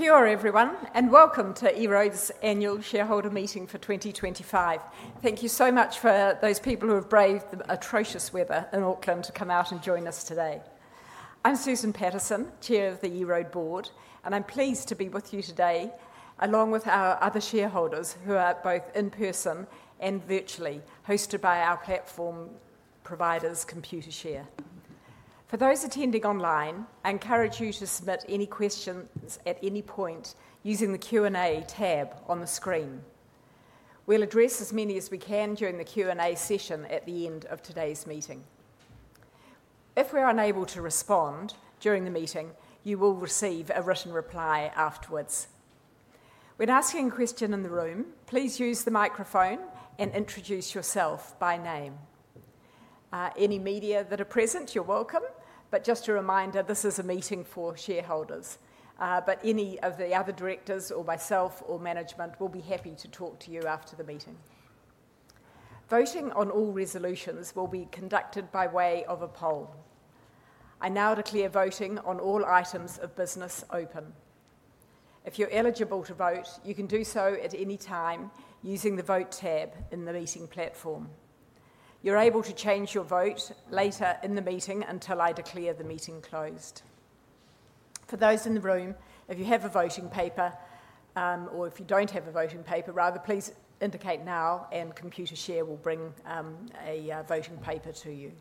Kia ora, everyone, and welcome to EROAD's annual shareholder meeting for 2025. Thank you so much for those people who have braved the atrocious weather in Auckland to come out and join us today. I'm Susan Paterson, Chair of the EROAD Board, and I'm pleased to be with you today, along with our other shareholders who are both in person and virtually, hosted by our platform providers, Computershare. For those attending online, I encourage you to submit any questions at any point using the Q&A tab on the screen. We'll address as many as we can during the Q&A session at the end of today's meeting. If we are unable to respond during the meeting, you will receive a written reply afterwards. When asking a question in the room, please use the microphone and introduce yourself by name. Any media that are present, you're welcome, but just a reminder, this is a meeting for shareholders. Any of the other directors, or myself, or management will be happy to talk to you after the meeting. Voting on all resolutions will be conducted by way of a poll. I now declare voting on all items of business open. If you're eligible to vote, you can do so at any time using the vote tab in the meeting platform. You're able to change your vote later in the meeting until I declare the meeting closed. For those in the room, if you have a voting paper, or if you don't have a voting paper, rather, please indicate now, and Computershare will bring a voting paper to you.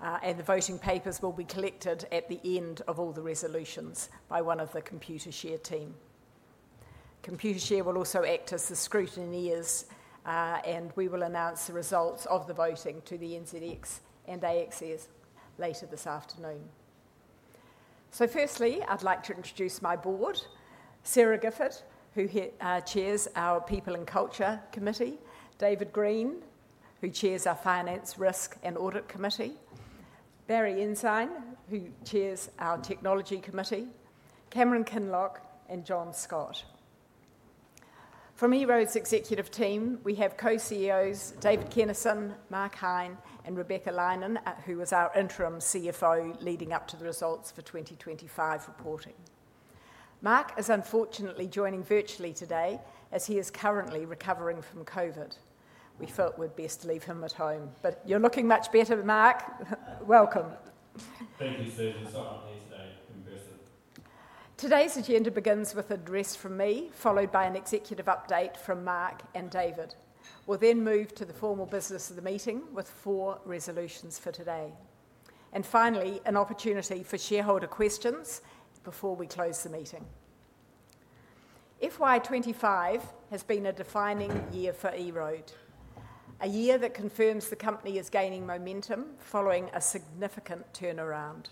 The voting papers will be collected at the end of all the resolutions by one of the Computershare team. Computershare will also act as the scrutineers, and we will announce the results of the voting to the NZX and ASX later this afternoon. Firstly, I'd like to introduce my board: Sarah Gifford, who chairs our People and Culture Committee; David Green, who chairs our Finance, Risk, and Audit Committee; Barry Einsig, who chairs our Technology Committee; Cameron Kinloch; and John Scott. From EROAD's executive team, we have Co-CEOs David Kenneson and Mark Heine, and Rebecca Lineham, who was our interim CFO leading up to the results for 2025 reporting. Mark is unfortunately joining virtually today as he is currently recovering from COVID. We felt we'd best leave him at home, but you're looking much better, Mark. Welcome. Thank you, Susan. Sorry I'm here today. Impressive. Today's agenda begins with an address from me, followed by an executive update from Mark and David. We'll then move to the formal business of the meeting with four resolutions for today. Finally, an opportunity for shareholder questions before we close the meeting. FY 2025 has been a defining year for EROAD, a year that confirms the company is gaining momentum following a significant turnaround.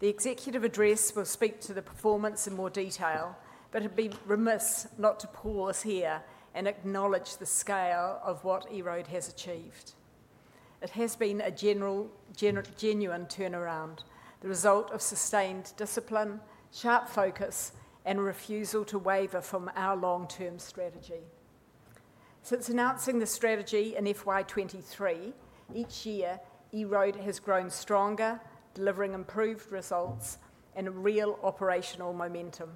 The executive address will speak to the performance in more detail, but I'd be remiss not to pause here and acknowledge the scale of what EROAD has achieved. It has been a genuine turnaround, the result of sustained discipline, sharp focus, and refusal to waver from our long-term strategy. Since announcing the strategy in FY 2023, each year EROAD has grown stronger, delivering improved results and real operational momentum.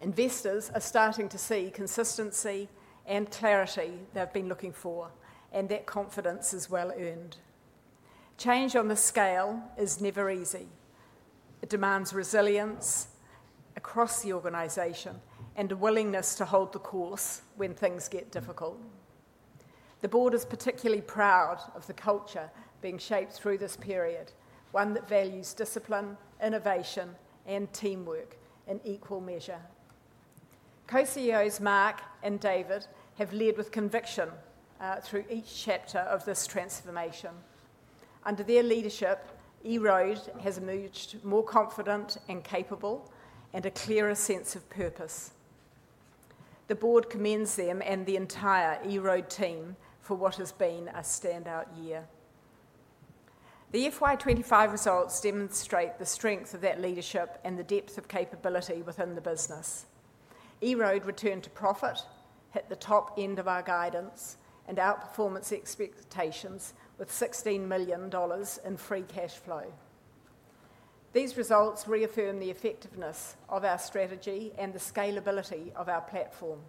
Investors are starting to see consistency and clarity they've been looking for, and that confidence is well earned. Change on the scale is never easy. It demands resilience across the organization and a willingness to hold the course when things get difficult. The board is particularly proud of the culture being shaped through this period, one that values discipline, innovation, and teamwork in equal measure. Co-CEOs Mark and David have led with conviction through each chapter of this transformation. Under their leadership, EROAD has emerged more confident and capable, and a clearer sense of purpose. The board commends them and the entire EROAD team for what has been a standout year. The FY 2025 results demonstrate the strength of that leadership and the depth of capability within the business. EROAD returned to profit, hit the top end of our guidance, and our performance expectations with 16 million dollars in free cash flow. These results reaffirm the effectiveness of our strategy and the scalability of our platform,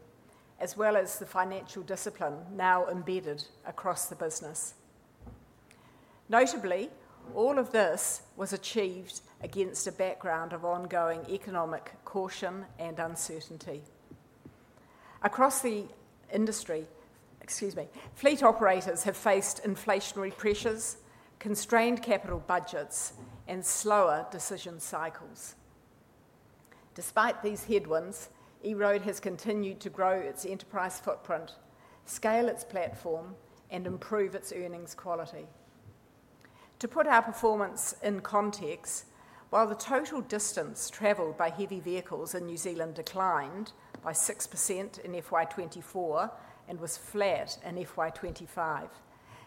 as well as the financial discipline now embedded across the business. Notably, all of this was achieved against a background of ongoing economic caution and uncertainty. Across the industry, excuse me, fleet operators have faced inflationary pressures, constrained capital budgets, and slower decision cycles. Despite these headwinds, EROAD has continued to grow its enterprise footprint, scale its platform, and improve its earnings quality. To put our performance in context, while the total distance travelled by heavy vehicles in New Zealand declined by 6% in FY 2024 and was flat in FY 2025,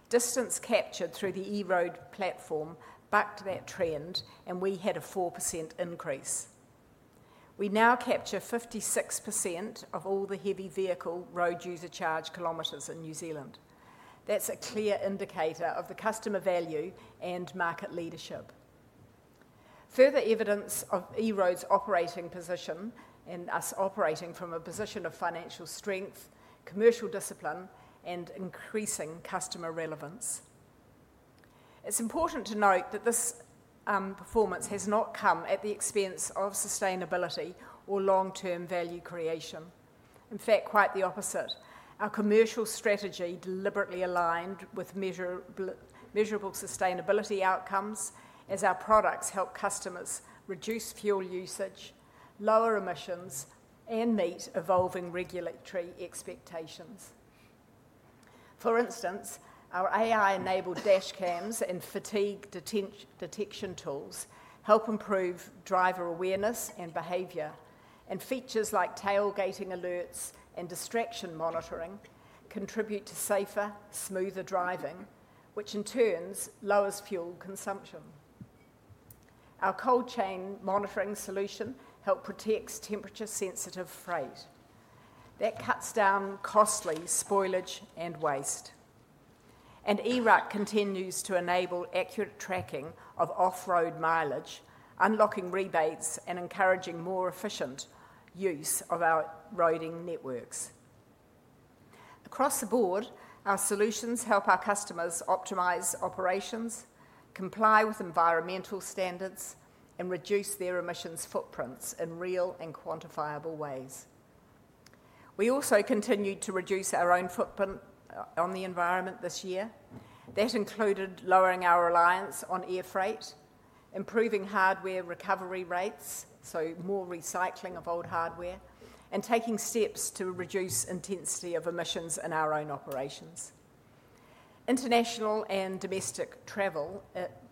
distance captured through the EROAD platform bucked that trend, and we had a 4% increase. We now capture 56% of all the heavy vehicle road user charge kilometres in New Zealand. That's a clear indicator of the customer value and market leadership. Further evidence of EROAD's operating position and us operating from a position of financial strength, commercial discipline, and increasing customer relevance. It's important to note that this performance has not come at the expense of sustainability or long-term value creation. In fact, quite the opposite. Our commercial strategy deliberately aligned with measurable sustainability outcomes as our products help customers reduce fuel usage, lower emissions, and meet evolving regulatory expectations. For instance, our AI-enabled dash cams and fatigue detection tools help improve driver awareness and behaviour, and features like tailgating alerts and distraction monitoring contribute to safer, smoother driving, which in turn lowers fuel consumption. Our cold chain monitoring solution helps protect temperature-sensitive freight. That cuts down costly spoilage and waste. EROAD continues to enable accurate tracking of off-road mileage, unlocking rebates, and encouraging more efficient use of our roading networks. Across the board, our solutions help our customers optimize operations, comply with environmental standards, and reduce their emissions footprints in real and quantifiable ways. We also continued to reduce our own footprint on the environment this year. That included lowering our reliance on air freight, improving hardware recovery rates, so more recycling of old hardware, and taking steps to reduce the intensity of emissions in our own operations. International and domestic travel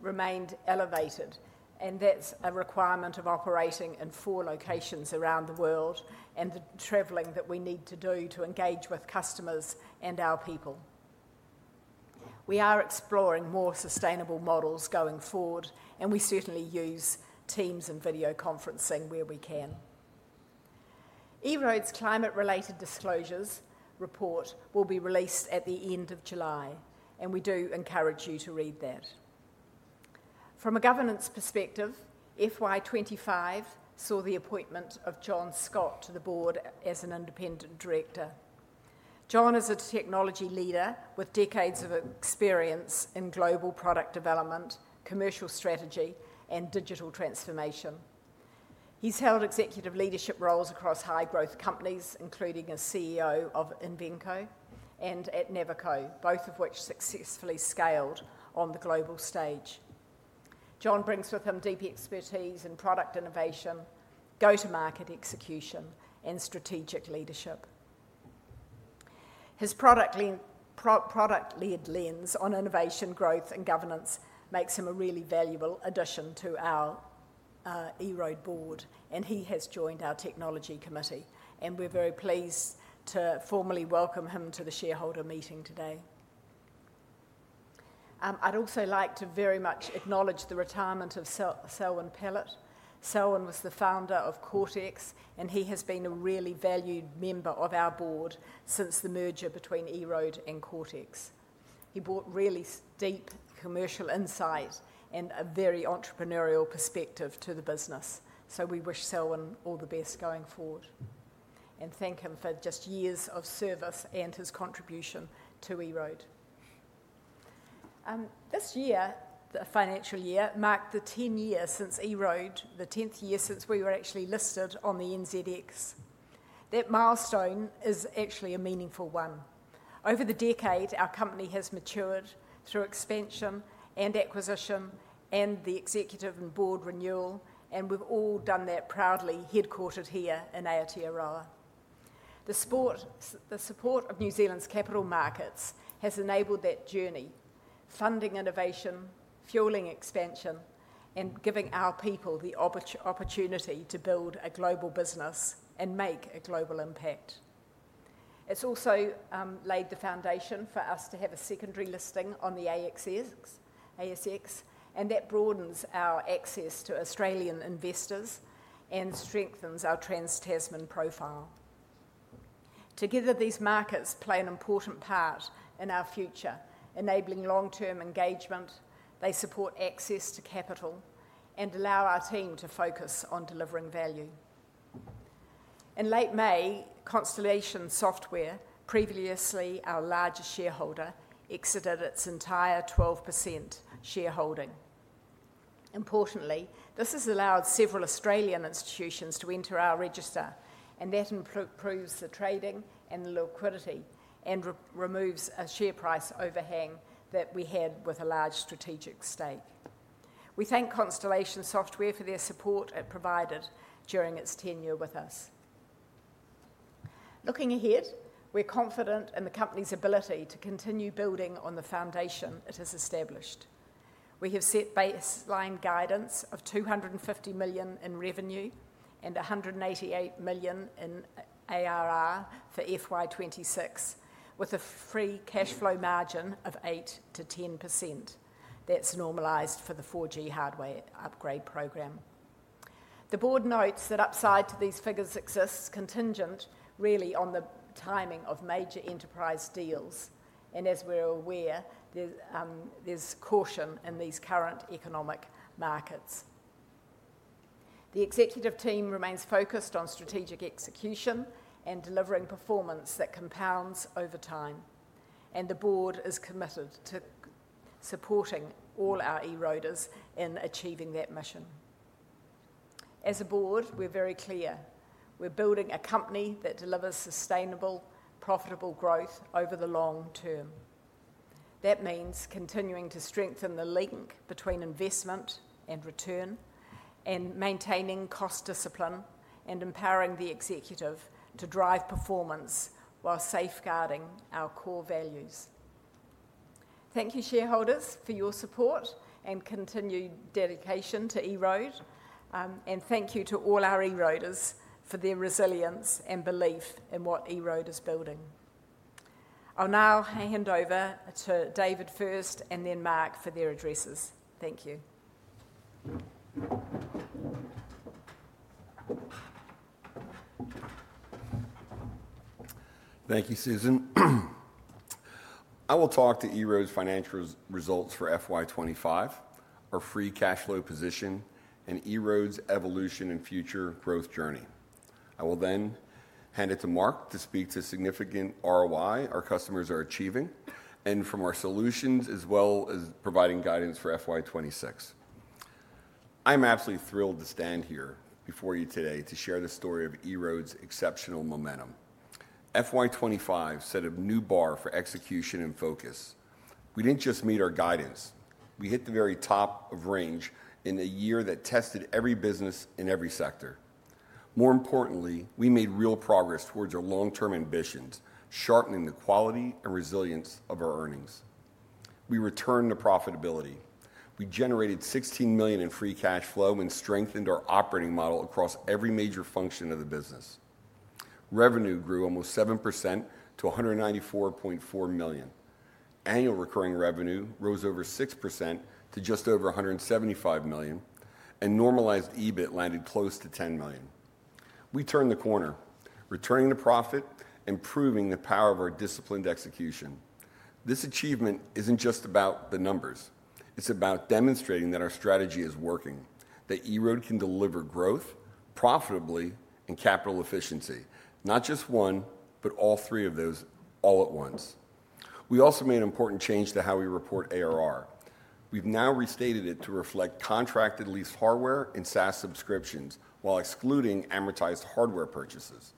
remained elevated, and that is a requirement of operating in four locations around the world and the traveling that we need to do to engage with customers and our people. We are exploring more sustainable models going forward, and we certainly use Teams and video conferencing where we can. EROAD's climate-related disclosures report will be released at the end of July, and we do encourage you to read that. From a governance perspective, FY 2025 saw the appointment of John Scott to the board as an independent director. John is a technology leader with decades of experience in global product development, commercial strategy, and digital transformation. He's held executive leadership roles across high-growth companies, including as CEO of Invenco and at Navico, both of which successfully scaled on the global stage. John brings with him deep expertise in product innovation, go-to-market execution, and strategic leadership. His product-led lens on innovation, growth, and governance makes him a really valuable addition to our EROAD board, and he has joined our technology committee, and we're very pleased to formally welcome him to the shareholder meeting today. I'd also like to very much acknowledge the retirement of Selwyn Pellett. Selwyn was the founder of Coretex, and he has been a really valued member of our board since the merger between EROAD and Coretex. He brought really deep commercial insight and a very entrepreneurial perspective to the business, so we wish Selwyn all the best going forward and thank him for just years of service and his contribution to EROAD. This year, the financial year, marked the 10 years since EROAD, the 10th year since we were actually listed on the NZX. That milestone is actually a meaningful one. Over the decade, our company has matured through expansion and acquisition and the executive and board renewal, and we've all done that proudly headquartered here in Aotearoa. The support of New Zealand's capital markets has enabled that journey, funding innovation, fuelling expansion, and giving our people the opportunity to build a global business and make a global impact. It's also laid the foundation for us to have a secondary listing on the ASX, and that broadens our access to Australian investors and strengthens our Trans Tasman profile. Together, these markets play an important part in our future, enabling long-term engagement. They support access to capital and allow our team to focus on delivering value. In late May, Constellation Software, previously our largest shareholder, exited its entire 12% shareholding. Importantly, this has allowed several Australian institutions to enter our register, and that improves the trading and the liquidity and removes a share price overhang that we had with a large strategic stake. We thank Constellation Software for their support it provided during its tenure with us. Looking ahead, we're confident in the company's ability to continue building on the foundation it has established. We have set baseline guidance of 250 million in revenue and 188 million in ARR for FY 2026, with a free cash flow margin of 8%-10%. That is normalized for the 4G hardware upgrade program. The board notes that upside to these figures exists contingent really on the timing of major enterprise deals, and as we are aware, there is caution in these current economic markets. The executive team remains focused on strategic execution and delivering performance that compounds over time, and the board is committed to supporting all our EROADers in achieving that mission. As a board, we are very clear. We are building a company that delivers sustainable, profitable growth over the long term. That means continuing to strengthen the link between investment and return and maintaining cost discipline and empowering the executive to drive performance while safeguarding our core values. Thank you, shareholders, for your support and continued dedication to EROAD, and thank you to all our EROADers for their resilience and belief in what EROAD is building. I'll now hand over to David first and then Mark for their addresses. Thank you. Thank you, Susan. I will talk to EROAD's financial results for FY 2025, our free cash flow position, and EROAD's evolution and future growth journey. I will then hand it to Mark to speak to significant ROI our customers are achieving from our solutions as well as providing guidance for FY 2026. I'm absolutely thrilled to stand here before you today to share the story of EROAD's exceptional momentum. FY 2025 set a new bar for execution and focus. We didn't just meet our guidance. We hit the very top of range in a year that tested every business in every sector. More importantly, we made real progress towards our long-term ambitions, sharpening the quality and resilience of our earnings. We returned to profitability. We generated 16 million in free cash flow and strengthened our operating model across every major function of the business. Revenue grew almost 7% to 194.4 million. Annual recurring revenue rose over 6% to just over 175 million, and normalised EBIT landed close to 10 million. We turned the corner, returning to profit and proving the power of our disciplined execution. This achievement isn't just about the numbers. It's about demonstrating that our strategy is working, that EROAD can deliver growth, profitability, and capital efficiency, not just one, but all three of those all at once. We also made an important change to how we report ARR. We've now restated it to reflect contracted lease hardware and SaaS subscriptions while excluding amortized hardware purchases.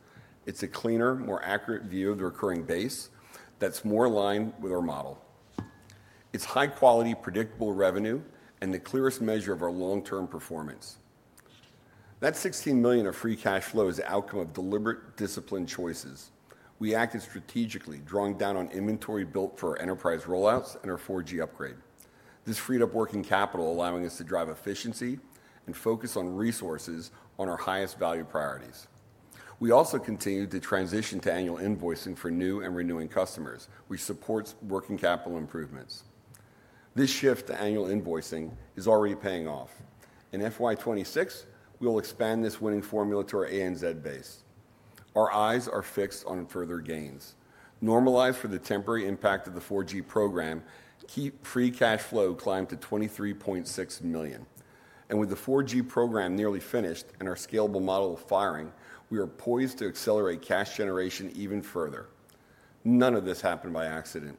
It's a cleaner, more accurate view of the recurring base that's more aligned with our model. It's high-quality, predictable revenue and the clearest measure of our long-term performance. That 16 million of free cash flow is the outcome of deliberate, disciplined choices. We acted strategically, drawing down on inventory built for our enterprise rollouts and our 4G upgrade. This freed up working capital, allowing us to drive efficiency and focus resources on our highest value priorities. We also continued to transition to annual invoicing for new and renewing customers, which supports working capital improvements. This shift to annual invoicing is already paying off. In FY 2026, we will expand this winning formula to our ANZ base. Our eyes are fixed on further gains. Normalized for the temporary impact of the 4G program, free cash flow climbed to 23.6 million. With the 4G program nearly finished and our scalable model firing, we are poised to accelerate cash generation even further. None of this happened by accident.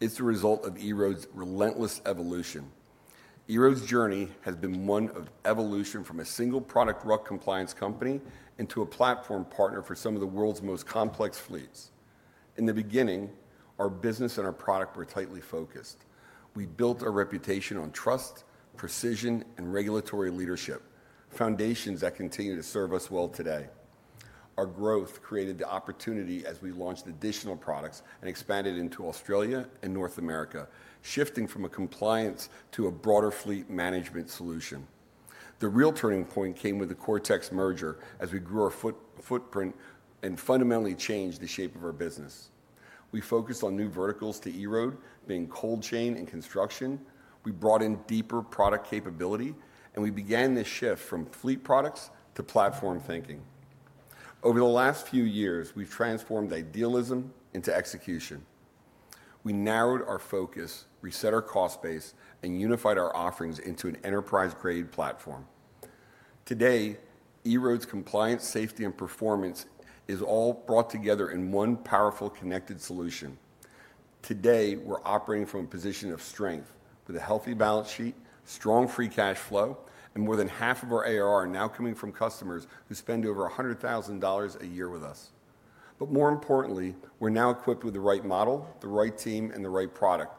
It is the result of EROAD's relentless evolution. EROAD's journey has been one of evolution from a single product RUC compliance company into a platform partner for some of the world's most complex fleets. In the beginning, our business and our product were tightly focused. We built our reputation on trust, precision, and regulatory leadership, foundations that continue to serve us well today. Our growth created the opportunity as we launched additional products and expanded into Australia and North America, shifting from a compliance to a broader fleet management solution. The real turning point came with the Coretex merger as we grew our footprint and fundamentally changed the shape of our business. We focused on new verticals to EROAD, being cold chain and construction. We brought in deeper product capability, and we began this shift from fleet products to platform thinking. Over the last few years, we've transformed idealism into execution. We narrowed our focus, reset our cost base, and unified our offerings into an enterprise-grade platform. Today, EROAD's compliance, safety, and performance is all brought together in one powerful connected solution. Today, we're operating from a position of strength with a healthy balance sheet, strong free cash flow, and more than half of our ARR now coming from customers who spend over 100,000 dollars a year with us. More importantly, we're now equipped with the right model, the right team, and the right product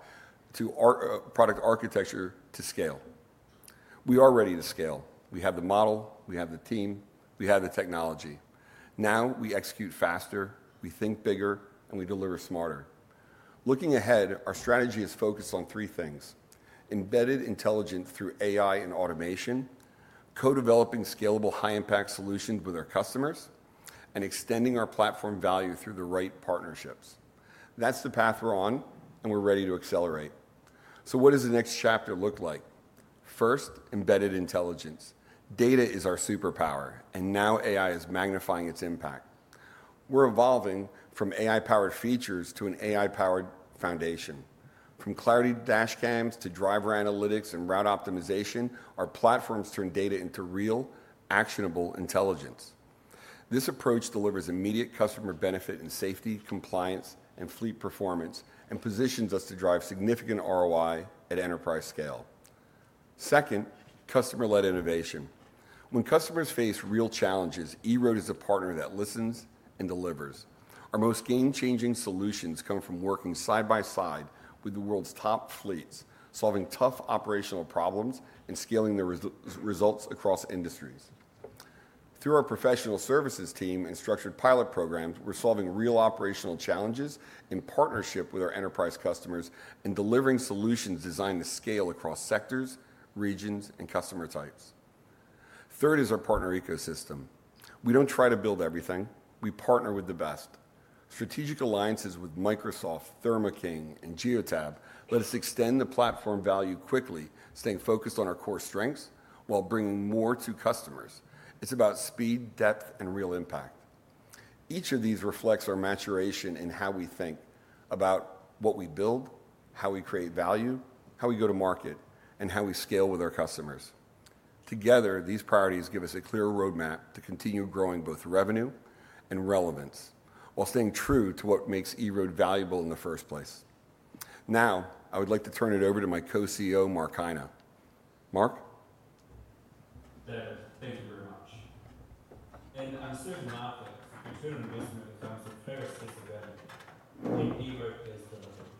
architecture to scale. We are ready to scale. We have the model. We have the team. We have the technology. Now we execute faster, we think bigger, and we deliver smarter. Looking ahead, our strategy is focused on three things: embedded intelligence through AI and automation, co-developing scalable high-impact solutions with our customers, and extending our platform value through the right partnerships. That's the path we're on, and we're ready to accelerate. What does the next chapter look like? First, embedded intelligence. Data is our superpower, and now AI is magnifying its impact. We're evolving from AI-powered features to an AI-powered foundation. From Clarity Dashcam to driver analytics and route optimization, our platforms turn data into real, actionable intelligence. This approach delivers immediate customer benefit in safety, compliance, and fleet performance, and positions us to drive significant ROI at enterprise scale. Second, customer-led innovation. When customers face real challenges, EROAD is a partner that listens and delivers. Our most game-changing solutions come from working side by side with the world's top fleets, solving tough operational problems and scaling the results across industries. Through our professional services team and structured pilot programs, we're solving real operational challenges in partnership with our enterprise customers and delivering solutions designed to scale across sectors, regions, and customer types. Third is our partner ecosystem. We don't try to build everything. We partner with the best. Strategic alliances with Microsoft, Thermo King, and Geotab let us extend the platform value quickly, staying focused on our core strengths while bringing more to customers. It's about speed, depth, and real impact. Each of these reflects our maturation and how we think about what we build, how we create value, how we go to market, and how we scale with our customers. Together, these priorities give us a clear roadmap to continue growing both revenue and relevance while staying true to what makes EROAD valuable in the first place. Now, I would like to turn it over to my Co-CEO, Mark Heine. Mark? Thank you very much. I am certain that our continuing investment in terms of preparedness is available, and EROAD is delivering.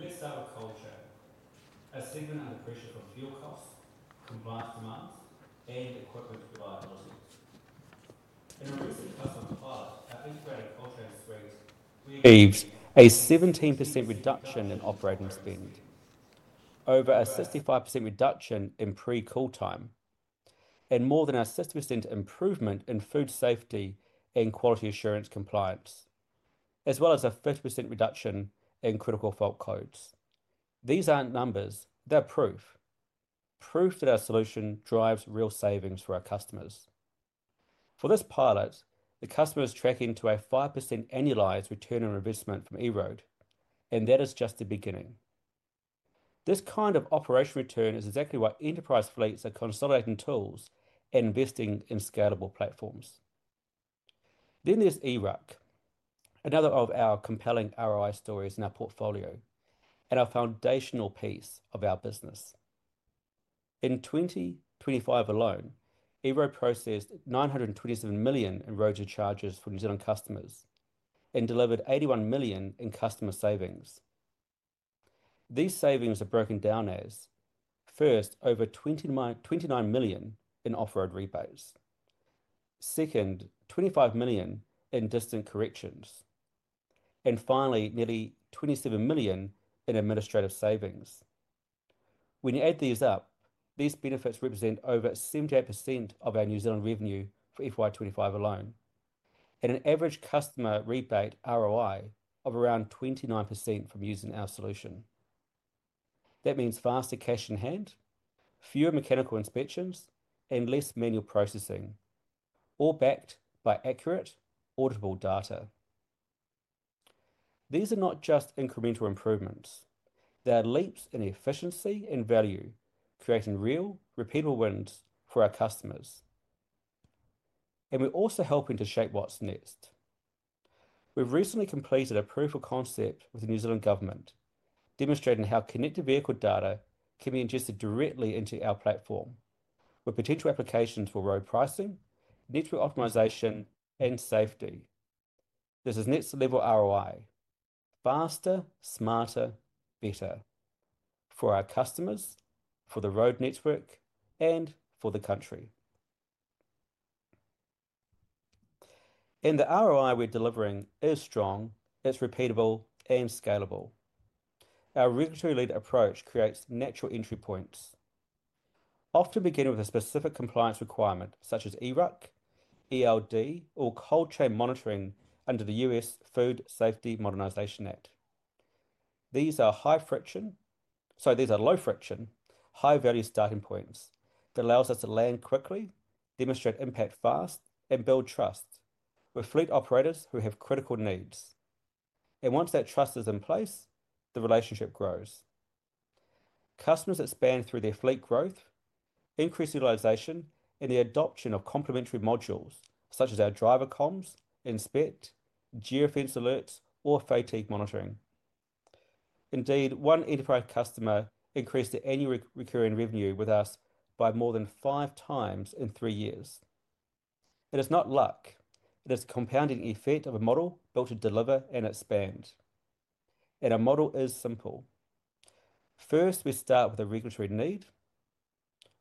Let's start with cold chain, a segment under pressure from fuel costs, compliance demands, and equipment reliability. In a recent customer pilot, our integrated cold chain suite, we. Saves a 17% reduction in operating spend, over a 65% reduction in pre-cool time, and more than a 60% improvement in food safety and quality assurance compliance, as well as a 50% reduction in critical fault codes. These are not numbers. They are proof. Proof that our solution drives real savings for our customers. For this pilot, the customer is tracking to a 5% annualized return on investment from EROAD, and that is just the beginning. This kind of operational return is exactly what enterprise fleets are consolidating tools and investing in scalable platforms. There is EROC, another of our compelling ROI stories in our portfolio and a foundational piece of our business. In 2025 alone, EROAD processed 927 million in road user charges for New Zealand customers and delivered 81 million in customer savings. These savings are broken down as, first, over 29 million in off-road rebates, second, 25 million in distant corrections, and finally, nearly 27 million in administrative savings. When you add these up, these benefits represent over 78% of our New Zealand revenue for FY 20225 alone, and an average customer rebate ROI of around 29% from using our solution. That means faster cash in hand, fewer mechanical inspections, and less manual processing, all backed by accurate, auditable data. These are not just incremental improvements. They are leaps in efficiency and value, creating real, repeatable wins for our customers. We are also helping to shape what's next. We've recently completed a proof of concept with the New Zealand government, demonstrating how connected vehicle data can be ingested directly into our platform, with potential applications for road pricing, network optimisation, and safety. This is next-level ROI: faster, smarter, better for our customers, for the road network, and for the country. The ROI we're delivering is strong, it's repeatable, and scalable. Our regulatory-led approach creates natural entry points, often beginning with a specific compliance requirement, such as EROC, ELD, or cold chain monitoring under the US Food Safety Modernization Act. These are low-friction, high-value starting points that allow us to land quickly, demonstrate impact fast, and build trust with fleet operators who have critical needs. Once that trust is in place, the relationship grows. Customers expand through their fleet growth, increased utilization, and the adoption of complementary modules such as our driver comms, inspect, geofence alerts, or fatigue monitoring. Indeed, one enterprise customer increased the annual recurring revenue with us by more than 5x in three years. It is not luck. It is a compounding effect of a model built to deliver and expand. Our model is simple. First, we start with a regulatory need.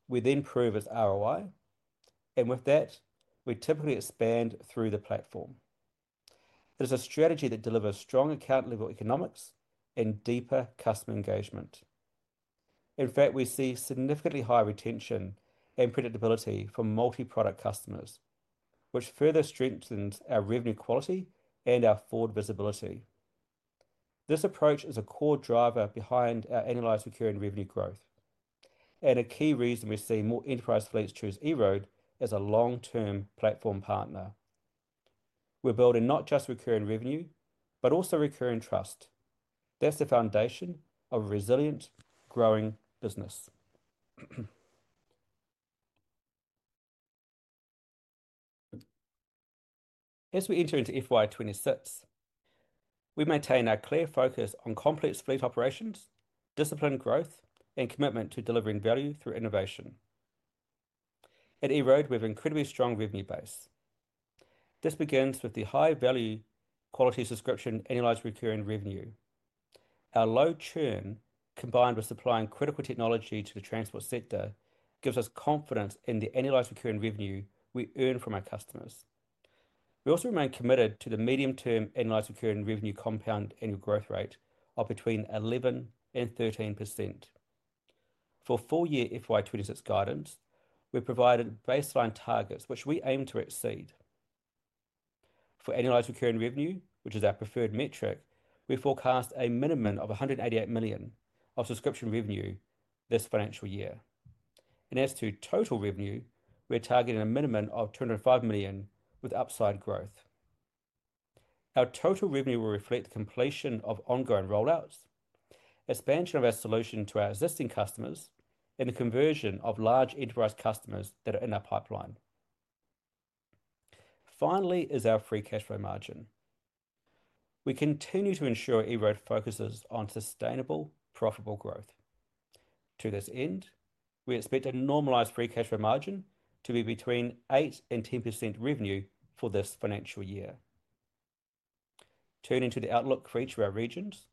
We then prove its ROI. With that, we typically expand through the platform. It is a strategy that delivers strong account-level economics and deeper customer engagement. In fact, we see significantly higher retention and predictability for multi-product customers, which further strengthens our revenue quality and our forward visibility. This approach is a core driver behind our annualized recurring revenue growth. A key reason we see more enterprise fleets choose EROAD is a long-term platform partner. We're building not just recurring revenue, but also recurring trust. That's the foundation of a resilient, growing business. As we enter into FY 2026, we maintain our clear focus on complex fleet operations, disciplined growth, and commitment to delivering value through innovation. At EROAD, we have an incredibly strong revenue base. This begins with the high-value quality subscription annualised recurring revenue. Our low churn, combined with supplying critical technology to the transport sector, gives us confidence in the annualised recurring revenue we earn from our customers. We also remain committed to the medium-term annualised recurring revenue compound annual growth rate of between 11%-13%. For full-year FY 2026 guidance, we provided baseline targets, which we aim to exceed. For annualised recurring revenue, which is our preferred metric, we forecast a minimum of 188 million of subscription revenue this financial year. As to total revenue, we're targeting a minimum of 205 million with upside growth. Our total revenue will reflect the completion of ongoing rollouts, expansion of our solution to our existing customers, and the conversion of large enterprise customers that are in our pipeline. Finally is our free cash flow margin. We continue to ensure EROAD focuses on sustainable, profitable growth. To this end, we expect a normalised free cash flow margin to be between 8%-10% revenue for this financial year. Turning to the outlook for each of our regions.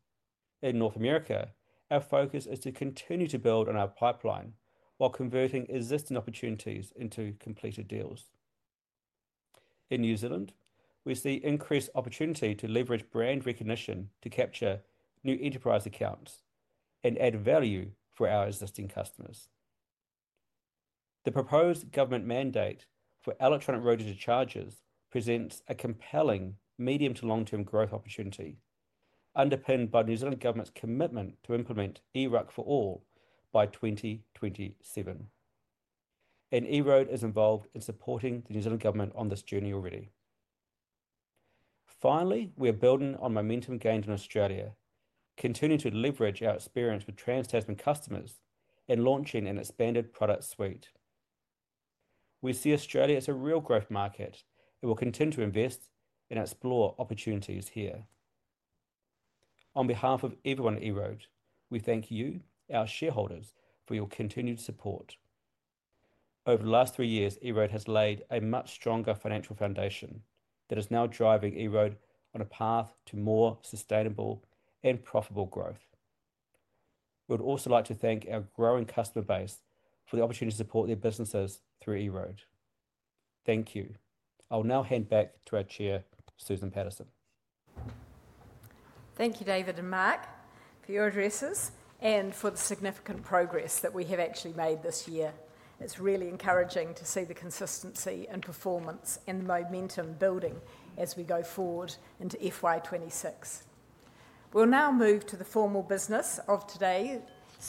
In North America, our focus is to continue to build on our pipeline while converting existing opportunities into completed deals. In New Zealand, we see increased opportunity to leverage brand recognition to capture new enterprise accounts and add value for our existing customers. The proposed government mandate for electronic road user charges presents a compelling medium to long-term growth opportunity, underpinned by the New Zealand government's commitment to implement EROC for all by 2027. EROAD is involved in supporting the New Zealand government on this journey already. Finally, we are building on momentum gained in Australia, continuing to leverage our experience with trans-Tasman customers and launching an expanded product suite. We see Australia as a real growth market and will continue to invest and explore opportunities here. On behalf of everyone at EROAD, we thank you, our shareholders, for your continued support. Over the last three years, EROAD has laid a much stronger financial foundation that is now driving EROAD on a path to more sustainable and profitable growth. We would also like to thank our growing customer base for the opportunity to support their businesses through EROAD. Thank you. I'll now hand back to our Chair, Susan Paterson. Thank you, David and Mark, for your addresses and for the significant progress that we have actually made this year. It's really encouraging to see the consistency in performance and the momentum building as we go forward into FY 2026. We'll now move to the formal business of today's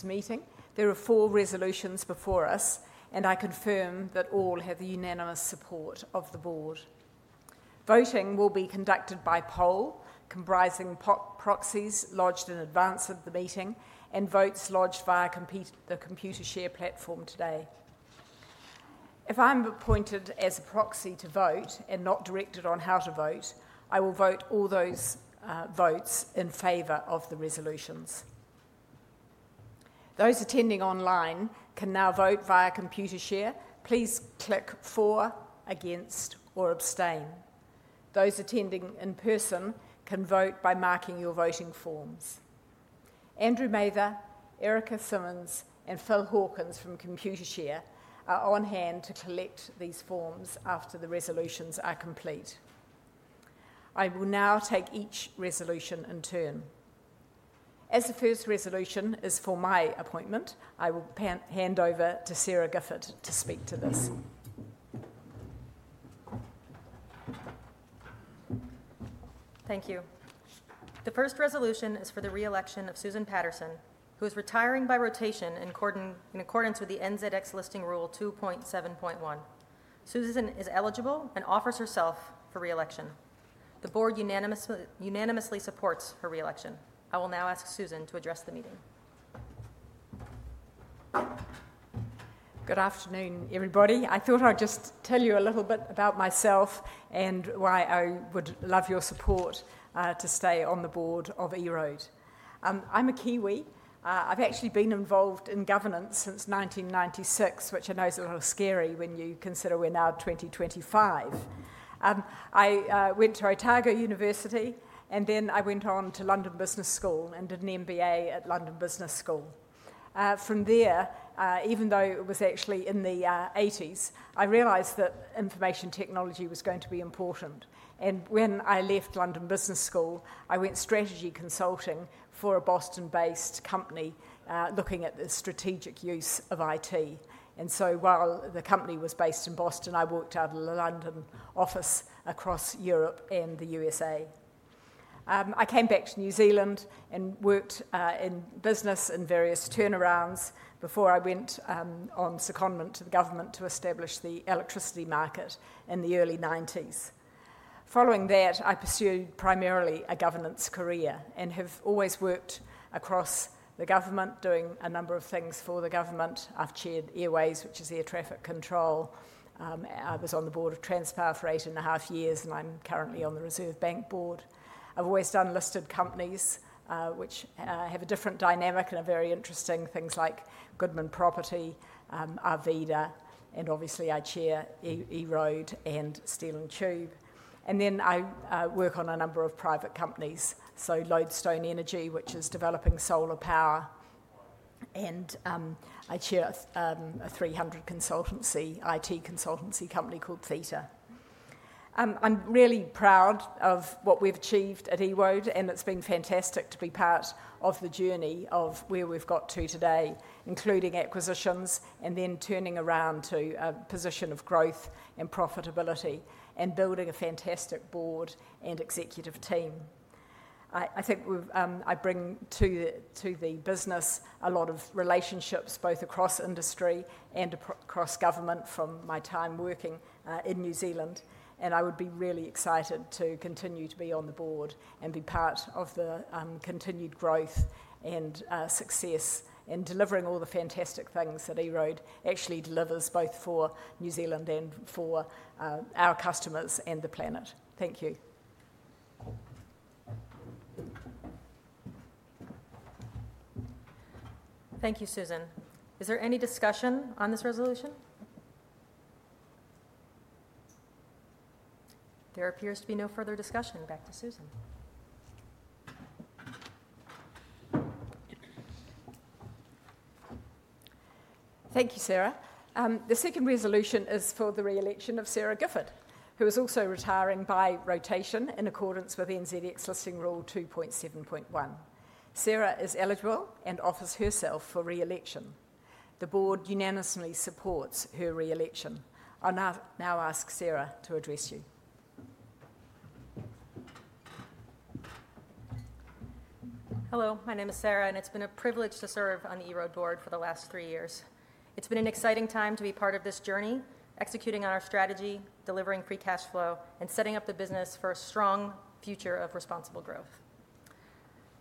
meeting. There are four resolutions before us, and I confirm that all have the unanimous support of the board. Voting will be conducted by poll, comprising proxies lodged in advance of the meeting, and votes lodged via the Computershare platform today. If I'm appointed as a proxy to vote and not directed on how to vote, I will vote all those votes in favor of the resolutions. Those attending online can now vote via Computershare. Please click for, against, or abstain. Those attending in person can vote by marking your voting forms. Andrew Mather, Erica Simmons, and Phil Hawkins from Computershare are on hand to collect these forms after the resolutions are complete. I will now take each resolution in turn. As the first resolution is for my appointment, I will hand over to Sarah Gifford to speak to this. Thank you. The first resolution is for the re-election of Susan Paterson, who is retiring by rotation in accordance with the NZX Listing Rule 2.7.1. Susan is eligible and offers herself for re-election. The board unanimously supports her re-election. I will now ask Susan to address the meeting. Good afternoon, everybody. I thought I'd just tell you a little bit about myself and why I would love your support to stay on the board of EROAD. I'm a Kiwi. I've actually been involved in governance since 1996, which I know is a little scary when you consider we're now 2025. I went to Otago University, and then I went on to London Business School and did an MBA at London Business School. From there, even though it was actually in the 1980s, I realised that information technology was going to be important. When I left London Business School, I went strategy consulting for a Boston-based company looking at the strategic use of IT. While the company was based in Boston, I worked out of the London office across Europe and the USA. I came back to New Zealand and worked in business in various turnarounds before I went on secondment to the government to establish the electricity market in the early 1990s. Following that, I pursued primarily a governance career and have always worked across the government doing a number of things for the government. I've chaired Airways, which is air traffic control. I was on the board of Transpower for eight and a half years, and I'm currently on the Reserve Bank board. I've always done listed companies, which have a different dynamic and are very interesting, things like Goodman Property, Arvida, and obviously I chair EROAD and Steel & Tube. I work on a number of private companies, so Lodestone Energy, which is developing solar power. I chair a 300-person consultancy, IT consultancy company called Theta. I'm really proud of what we've achieved at EROAD, and it's been fantastic to be part of the journey of where we've got to today, including acquisitions and then turning around to a position of growth and profitability and building a fantastic board and executive team. I think I bring to the business a lot of relationships both across industry and across government from my time working in New Zealand, and I would be really excited to continue to be on the board and be part of the continued growth and success in delivering all the fantastic things that EROAD actually delivers both for New Zealand and for our customers and the planet. Thank you. Thank you, Susan. Is there any discussion on this resolution? There appears to be no further discussion. Back to Susan. Thank you, Sarah. The second resolution is for the re-election of Sarah Gifford, who is also retiring by rotation in accordance with NZX Listing Rule 2.7.1. Sarah is eligible and offers herself for re-election. The board unanimously supports her re-election. I now ask Sarah to address you. Hello. My name is Sarah, and it's been a privilege to serve on the EROAD board for the last three years. It's been an exciting time to be part of this journey, executing on our strategy, delivering free cash flow, and setting up the business for a strong future of responsible growth.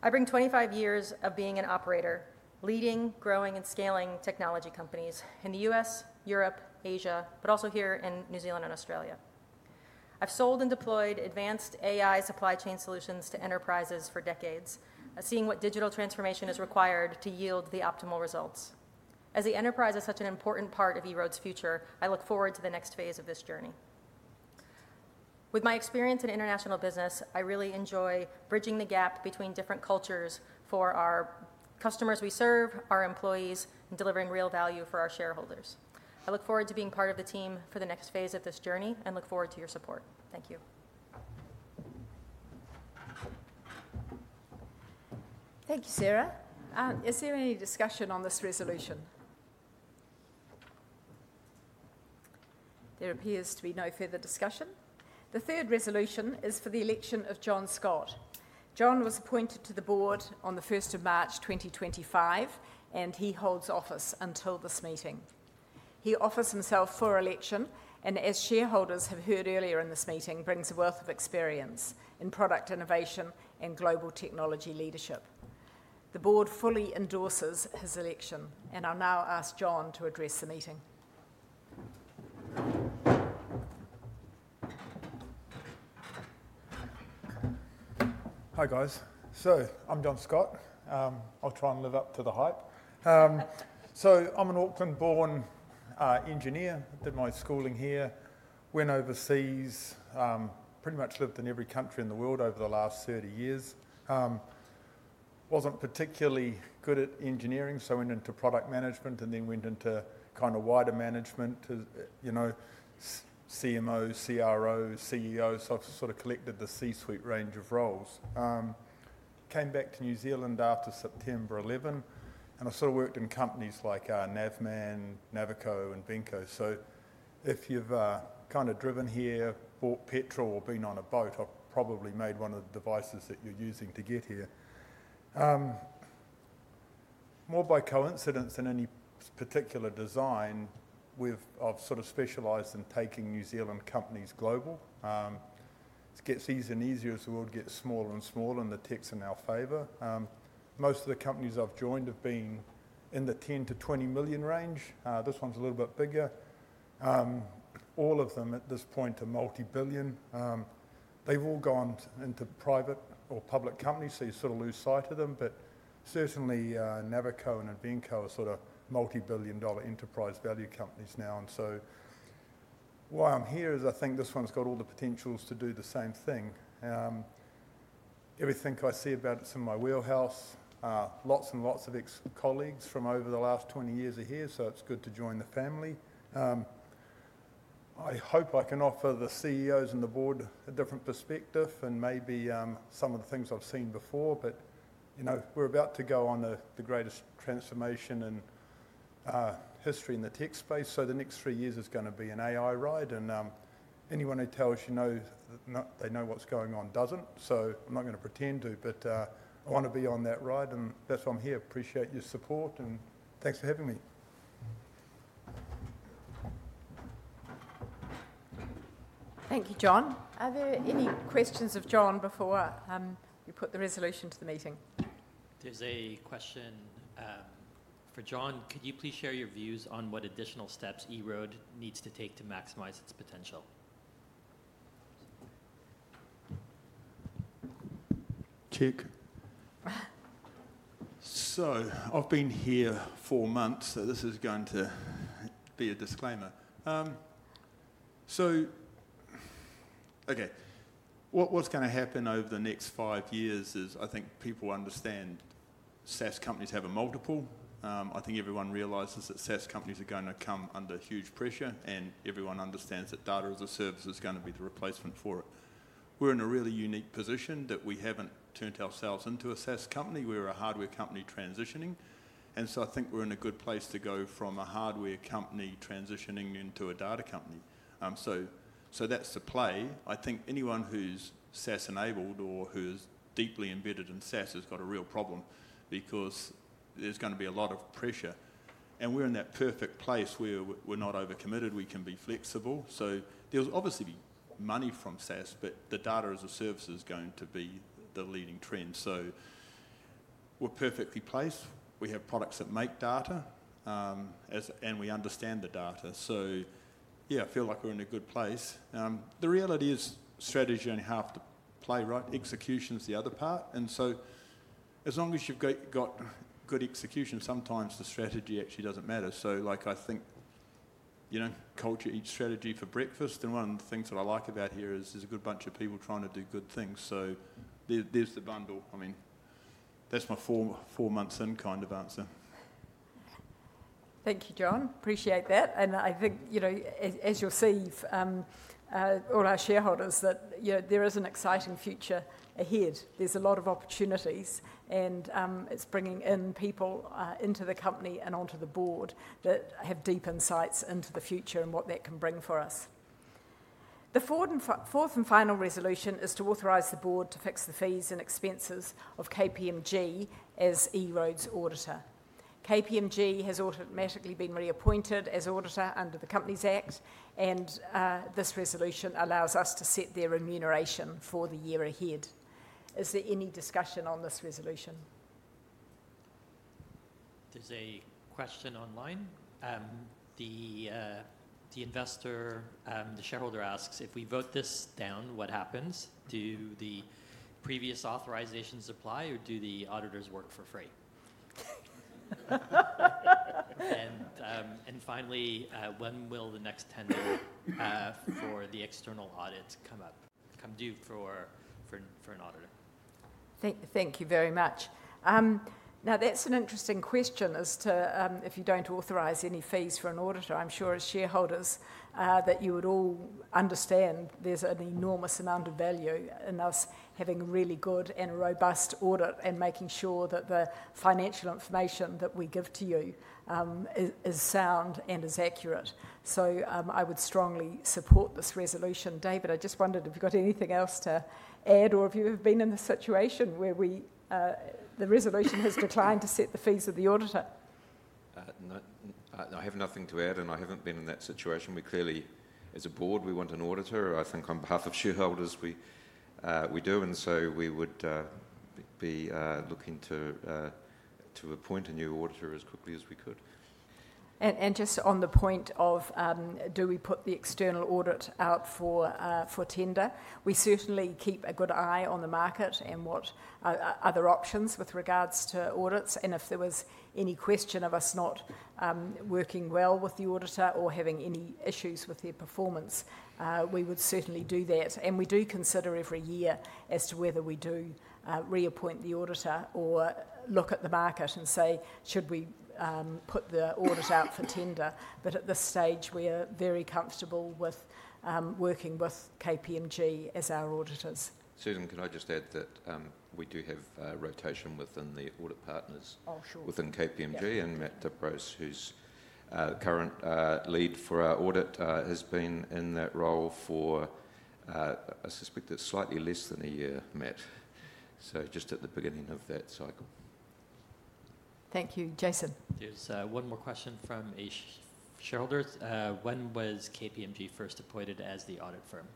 I bring 25 years of being an operator, leading, growing, and scaling technology companies in the US, Europe, Asia, but also here in New Zealand and Australia. I've sold and deployed advanced AI supply chain solutions to enterprises for decades, seeing what digital transformation is required to yield the optimal results. As the enterprise is such an important part of EROAD's future, I look forward to the next phase of this journey. With my experience in international business, I really enjoy bridging the gap between different cultures for our customers we serve, our employees, and delivering real value for our shareholders. I look forward to being part of the team for the next phase of this journey and look forward to your support. Thank you. Thank you, Sarah. Is there any discussion on this resolution? There appears to be no further discussion. The third resolution is for the election of John Scott. John was appointed to the board on the 1st of March 2025, and he holds office until this meeting. He offers himself for election and, as shareholders have heard earlier in this meeting, brings a wealth of experience in product innovation and global technology leadership. The board fully endorses his election and I'll now ask John to address the meeting. Hi guys. So I'm John Scott. I'll try and live up to the hype. I'm an Auckland-born engineer. I did my schooling here, went overseas, pretty much lived in every country in the world over the last 30 years. Wasn't particularly good at engineering, so went into product management and then went into kind of wider management, CMO, CRO, CEO, so I've sort of collected the C-suite range of roles. Came back to New Zealand after September 11, and I sort of worked in companies like Navman, Navico, and Invenco. If you've kind of driven here, bought petrol, or been on a boat, I've probably made one of the devices that you're using to get here. More by coincidence than any particular design, I've sort of specialised in taking New Zealand companies global. It gets easier and easier as the world gets smaller and smaller, and the techs are in our favor. Most of the companies I've joined have been in the 10 million-20 million range. This one's a little bit bigger. All of them at this point are multi-billion. They've all gone into private or public companies, so you sort of lose sight of them, but certainly Navico and Invenco are sort of multi-billion dollar enterprise value companies now. Why I'm here is I think this one's got all the potential to do the same thing. Everything I see about it is in my wheelhouse. Lots and lots of ex-colleagues from over the last 20 years are here, so it's good to join the family. I hope I can offer the CEOs and the board a different perspective and maybe some of the things I've seen before, but we're about to go on the greatest transformation in history in the tech space. The next three years is going to be an AI ride, and anyone who tells you they know what's going on doesn't, so I'm not going to pretend to, but I want to be on that ride, and that's why I'm here. Appreciate your support and thanks for having me. Thank you, John. Are there any questions of John before we put the resolution to the meeting? There's a question for John. Could you please share your views on what additional steps EROAD needs to take to maximise its potential? Check. I've been here four months, so this is going to be a disclaimer. Okay, what's going to happen over the next five years is I think people understand SaaS companies have a multiple. I think everyone realizes that SaaS companies are going to come under huge pressure, and everyone understands that data as a service is going to be the replacement for it. We're in a really unique position that we haven't turned ourselves into a SaaS company. We're a hardware company transitioning, and I think we're in a good place to go from a hardware company transitioning into a data company. That's the play. I think anyone who's SaaS-enabled or who's deeply embedded in SaaS has got a real problem because there's going to be a lot of pressure. We're in that perfect place where we're not overcommitted. We can be flexible. There'll obviously be money from SaaS, but the data as a service is going to be the leading trend. We're perfectly placed. We have products that make data, and we understand the data. Yeah, I feel like we're in a good place. The reality is strategy is only half the play, right? Execution's the other part. As long as you've got good execution, sometimes the strategy actually doesn't matter. I think culture eats strategy for breakfast. One of the things that I like about here is there's a good bunch of people trying to do good things. There's the bundle. I mean, that's my four months in kind of answer. Thank you, John. Appreciate that. I think, as you'll see, all our shareholders, that there is an exciting future ahead. There's a lot of opportunities, and it's bringing in people into the company and onto the board that have deep insights into the future and what that can bring for us. The fourth and final resolution is to authorise the board to fix the fees and expenses of KPMG as EROAD's auditor. KPMG has automatically been reappointed as auditor under the Companies Act, and this resolution allows us to set their remuneration for the year ahead. Is there any discussion on this resolution? There's a question online. The investor, the shareholder asks, if we vote this down, what happens? Do the previous authorizations apply, or do the auditors work for free? Finally, when will the next tenure for the external audit come due for an auditor? Thank you very much. Now, that's an interesting question as to if you don't authorise any fees for an auditor. I'm sure as shareholders that you would all understand there's an enormous amount of value in us having a really good and robust audit and making sure that the financial information that we give to you is sound and is accurate. I would strongly support this resolution. David, I just wondered if you've got anything else to add or if you have been in the situation where the resolution has declined to set the fees of the auditor. No, I have nothing to add, and I haven't been in that situation. We clearly, as a board, we want an auditor. I think on behalf of shareholders, we do, and we would be looking to appoint a new auditor as quickly as we could. Just on the point of do we put the external audit out for tender, we certainly keep a good eye on the market and what other options with regards to audits. If there was any question of us not working well with the auditor or having any issues with their performance, we would certainly do that. We do consider every year as to whether we do reappoint the auditor or look at the market and say, should we put the audit out for tender? At this stage, we are very comfortable with working with KPMG as our auditors. Susan, could I just add that we do have rotation within the audit partners within KPMG, and Matt Diprose, who's current lead for our audit, has been in that role for, I suspect, slightly less than a year, Matt. Just at the beginning of that cycle. Thank you, Jason. There's one more question from a shareholder. When was KPMG first appointed as the audit firm?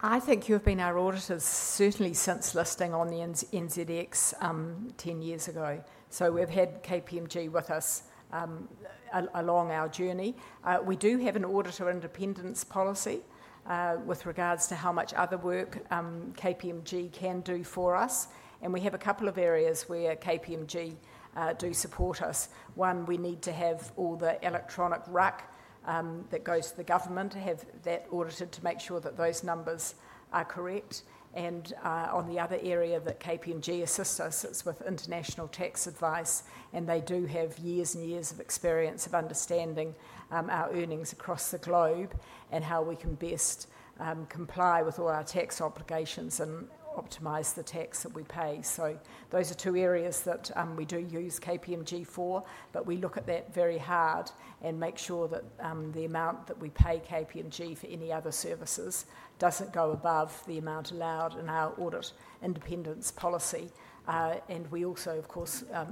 I think you have been our auditor certainly since listing on the NZX 10 years ago. We have had KPMG with us along our journey. We do have an auditor independence policy with regards to how much other work KPMG can do for us. We have a couple of areas where KPMG do support us. One, we need to have all the electronic RUC that goes to the government to have that audited to make sure that those numbers are correct. On the other area that KPMG assists us, it is with international tax advice, and they do have years and years of experience of understanding our earnings across the globe and how we can best comply with all our tax obligations and optimize the tax that we pay. Those are two areas that we do use KPMG for, but we look at that very hard and make sure that the amount that we pay KPMG for any other services does not go above the amount allowed in our audit independence policy. We also, of course, are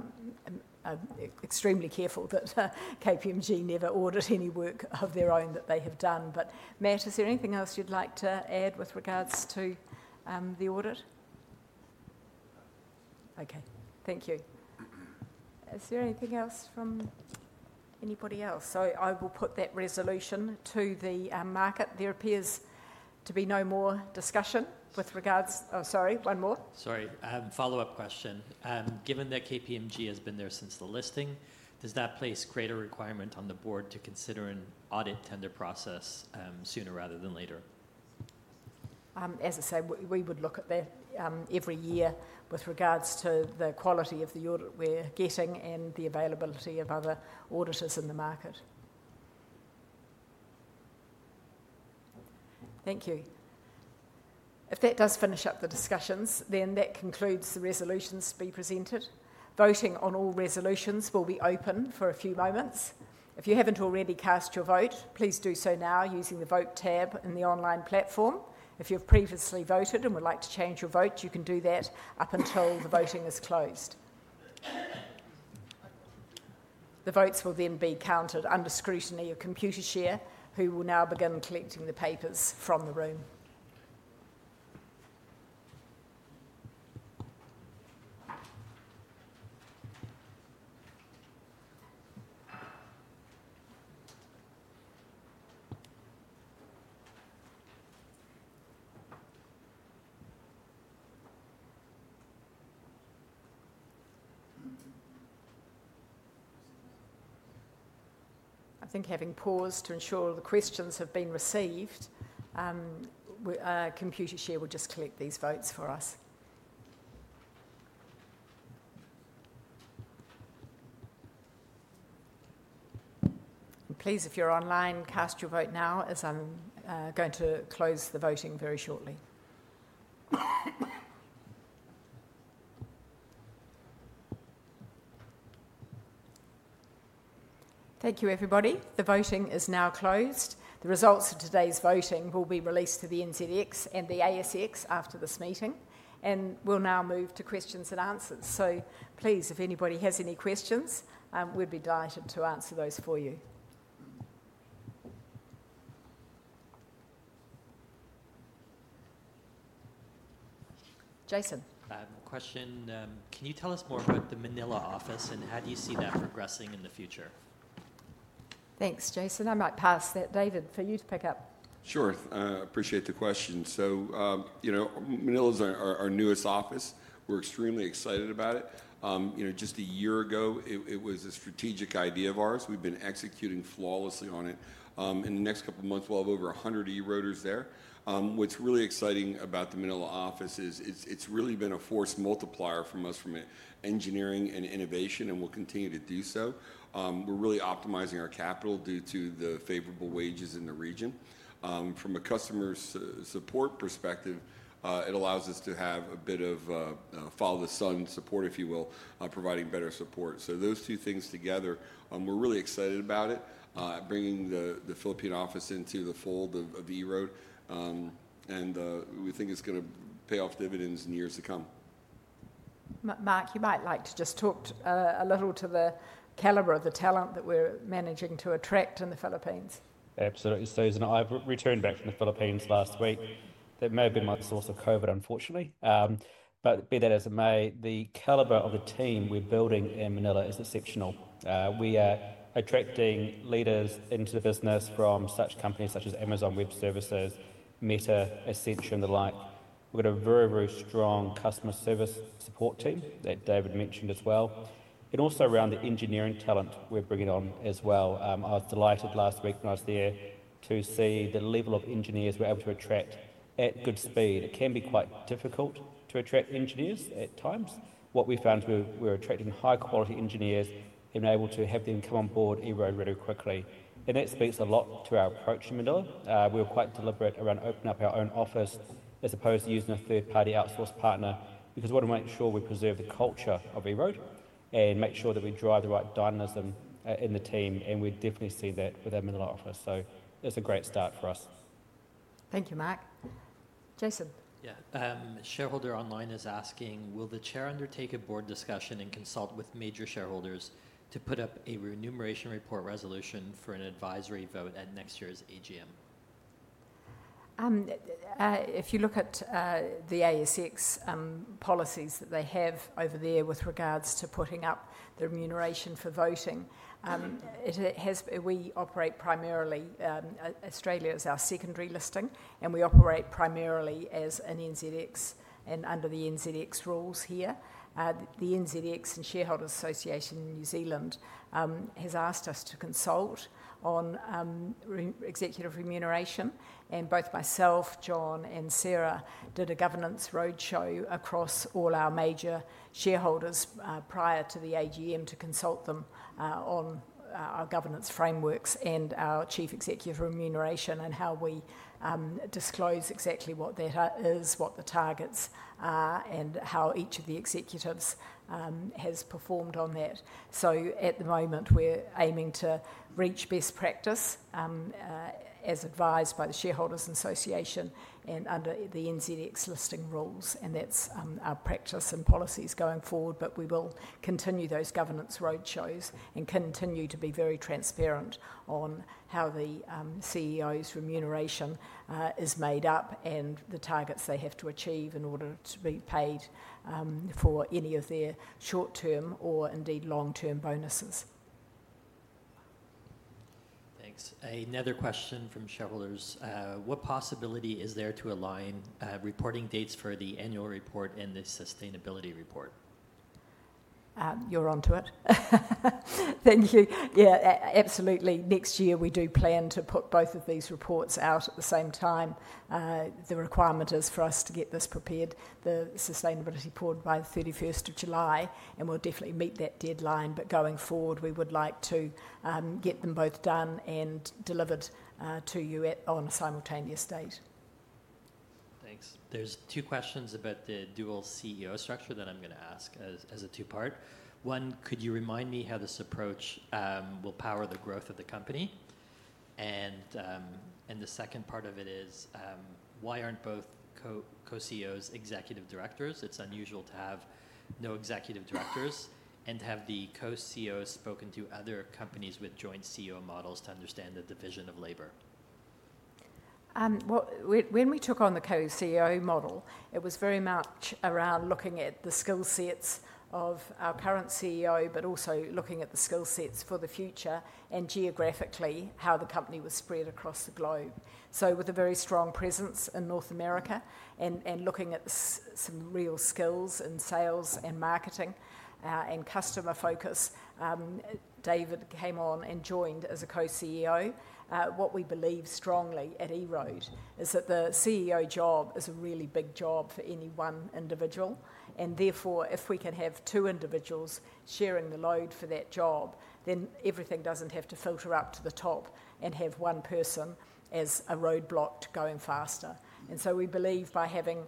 extremely careful that KPMG never audit any work of their own that they have done. Matt, is there anything else you would like to add with regards to the audit? Okay. Thank you. Is there anything else from anybody else? I will put that resolution to the market. There appears to be no more discussion with regards... Oh, sorry, one more. Sorry. Follow-up question. Given that KPMG has been there since the listing, does that place greater requirement on the board to consider an audit tender process sooner rather than later? As I say, we would look at that every year with regards to the quality of the audit we're getting and the availability of other auditors in the market. Thank you. If that does finish up the discussions, then that concludes the resolutions to be presented. Voting on all resolutions will be open for a few moments. If you haven't already cast your vote, please do so now using the vote tab in the online platform. If you've previously voted and would like to change your vote, you can do that up until the voting is closed. The votes will then be counted under scrutiny of Computershare, who will now begin collecting the papers from the room. I think having paused to ensure all the questions have been received, Computershare will just collect these votes for us. Please, if you're online, cast your vote now as I'm going to close the voting very shortly. Thank you, everybody. The voting is now closed. The results of today's voting will be released to the NZX and the ASX after this meeting, and we'll now move to questions and answers. Please, if anybody has any questions, we'd be delighted to answer those for you. Jason. Question. Can you tell us more about the Manila office and how do you see that progressing in the future? Thanks, Jason. I might pass that. David, for you to pick up. Sure. Appreciate the question. Manila is our newest office. We're extremely excited about it. Just a year ago, it was a strategic idea of ours. We've been executing flawlessly on it. In the next couple of months, we'll have over 100 e-writers there. What's really exciting about the Manila office is it's really been a force multiplier for us from engineering and innovation, and we'll continue to do so. We're really optimizing our capital due to the favorable wages in the region. From a customer support perspective, it allows us to have a bit of follow-the-sun support, if you will, providing better support. Those two things together, we're really excited about it, bringing the Philippine office into the fold of EROAD, and we think it's going to pay off dividends in years to come. Mark, you might like to just talk a little to the calibre of the talent that we're managing to attract in the Philippines. Absolutely. Susan, I returned back from the Philippines last week. That may have been my source of COVID, unfortunately. Be that as it may, the calibre of the team we're building in Manila is exceptional. We are attracting leaders into the business from companies such as Amazon Web Services, Meta, Accenture, and the like. We've got a very, very strong customer service support team that David mentioned as well. Also, around the engineering talent we're bringing on as well. I was delighted last week when I was there to see the level of engineers we're able to attract at good speed. It can be quite difficult to attract engineers at times. What we found is we're attracting high-quality engineers and able to have them come on board EROAD really quickly. That speaks a lot to our approach in Manila. We were quite deliberate around opening up our own office as opposed to using a third-party outsourced partner because we want to make sure we preserve the culture of EROAD and make sure that we drive the right dynamism in the team. We definitely see that with our Manila office. That is a great start for us. Thank you, Mark. Jason. Yeah. A shareholder online is asking, will the Chair undertake a board discussion and consult with major shareholders to put up a remuneration report resolution for an advisory vote at next year's AGM? If you look at the ASX policies that they have over there with regards to putting up the remuneration for voting, we operate primarily Australia is our secondary listing, and we operate primarily as an NZX and under the NZX rules here. The NZX and Shareholders Association in New Zealand has asked us to consult on executive remuneration. And both myself, John, and Sarah did a governance roadshow across all our major shareholders prior to the AGM to consult them on our governance frameworks and our chief executive remuneration and how we disclose exactly what that is, what the targets are, and how each of the executives has performed on that. At the moment, we're aiming to reach best practice as advised by the Shareholders Association and under the NZX listing rules. That is our practice and policies going forward, but we will continue those governance roadshows and continue to be very transparent on how the CEO's remuneration is made up and the targets they have to achieve in order to be paid for any of their short-term or indeed long-term bonuses. Thanks. Another question from shareholders. What possibility is there to align reporting dates for the annual report and the sustainability report? You're onto it. Thank you. Yeah, absolutely. Next year, we do plan to put both of these reports out at the same time. The requirement is for us to get this prepared, the sustainability report, by the 31st of July, and we'll definitely meet that deadline. Going forward, we would like to get them both done and delivered to you on a simultaneous date. Thanks. There's two questions about the dual CEO structure that I'm going to ask as a two-part. One, could you remind me how this approach will power the growth of the company? The second part of it is, why aren't both co-CEOs executive directors? It's unusual to have no executive directors. Have the co-CEOs spoken to other companies with joint CEO models to understand the division of labour? When we took on the co-CEO model, it was very much around looking at the skill sets of our current CEO, but also looking at the skill sets for the future and geographically how the company was spread across the globe. With a very strong presence in North America and looking at some real skills in sales and marketing and customer focus, David came on and joined as a co-CEO. What we believe strongly at EROAD is that the CEO job is a really big job for any one individual. Therefore, if we can have two individuals sharing the load for that job, then everything does not have to filter up to the top and have one person as a roadblock to going faster. We believe by having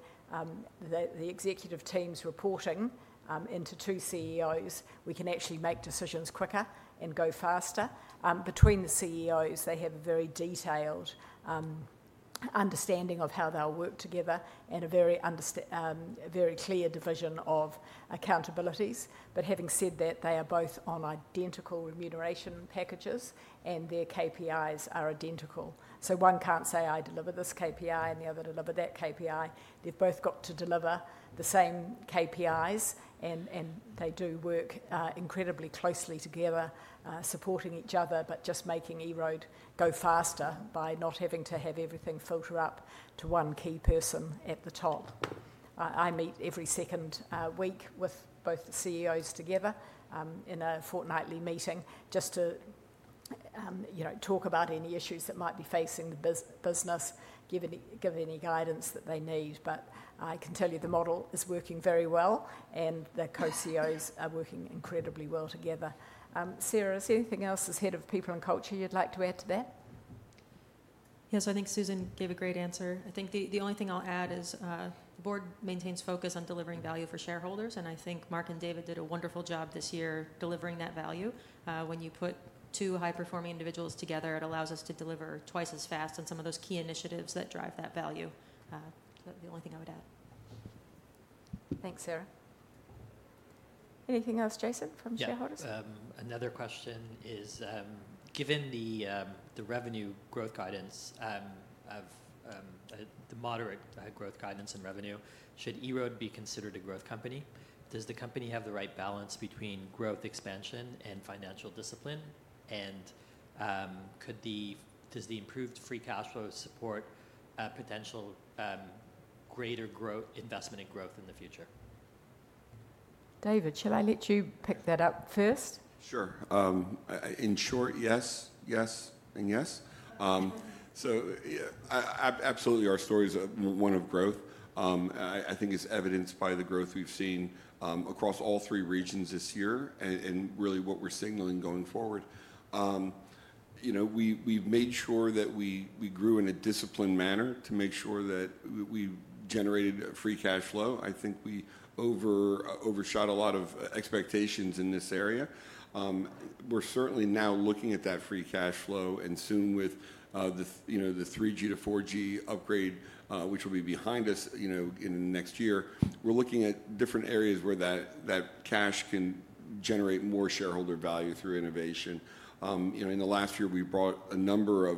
the executive teams reporting into two CEOs, we can actually make decisions quicker and go faster. Between the CEOs, they have a very detailed understanding of how they'll work together and a very clear division of accountabilities. Having said that, they are both on identical remuneration packages and their KPIs are identical. One can't say, "I deliver this KPI," and the other deliver that KPI. They've both got to deliver the same KPIs, and they do work incredibly closely together, supporting each other, just making EROAD go faster by not having to have everything filter up to one key person at the top. I meet every second week with both the CEOs together in a fortnightly meeting just to talk about any issues that might be facing the business, give any guidance that they need. I can tell you the model is working very well, and the co-CEOs are working incredibly well together. Sarah, is there anything else as Head of People and Culture you'd like to add to that? Yes, I think Susan gave a great answer. I think the only thing I'll add is the board maintains focus on delivering value for shareholders. I think Mark and David did a wonderful job this year delivering that value. When you put two high-performing individuals together, it allows us to deliver twice as fast on some of those key initiatives that drive that value. That's the only thing I would add. Thanks, Sarah. Anything else, Jason, from shareholders? Yes. Another question is, given the revenue growth guidance, the moderate growth guidance in revenue, should EROAD be considered a growth company? Does the company have the right balance between growth expansion and financial discipline? Does the improved free cash flow support potential greater investment in growth in the future? David, shall I let you pick that up first? Sure. In short, yes, yes, and yes. Absolutely, our story is one of growth. I think it's evidenced by the growth we've seen across all three regions this year and really what we're signalling going forward. We've made sure that we grew in a disciplined manner to make sure that we generated free cash flow. I think we overshot a lot of expectations in this area. We're certainly now looking at that free cash flow, and soon with the 3G to 4G upgrade, which will be behind us in the next year, we're looking at different areas where that cash can generate more shareholder value through innovation. In the last year, we brought a number of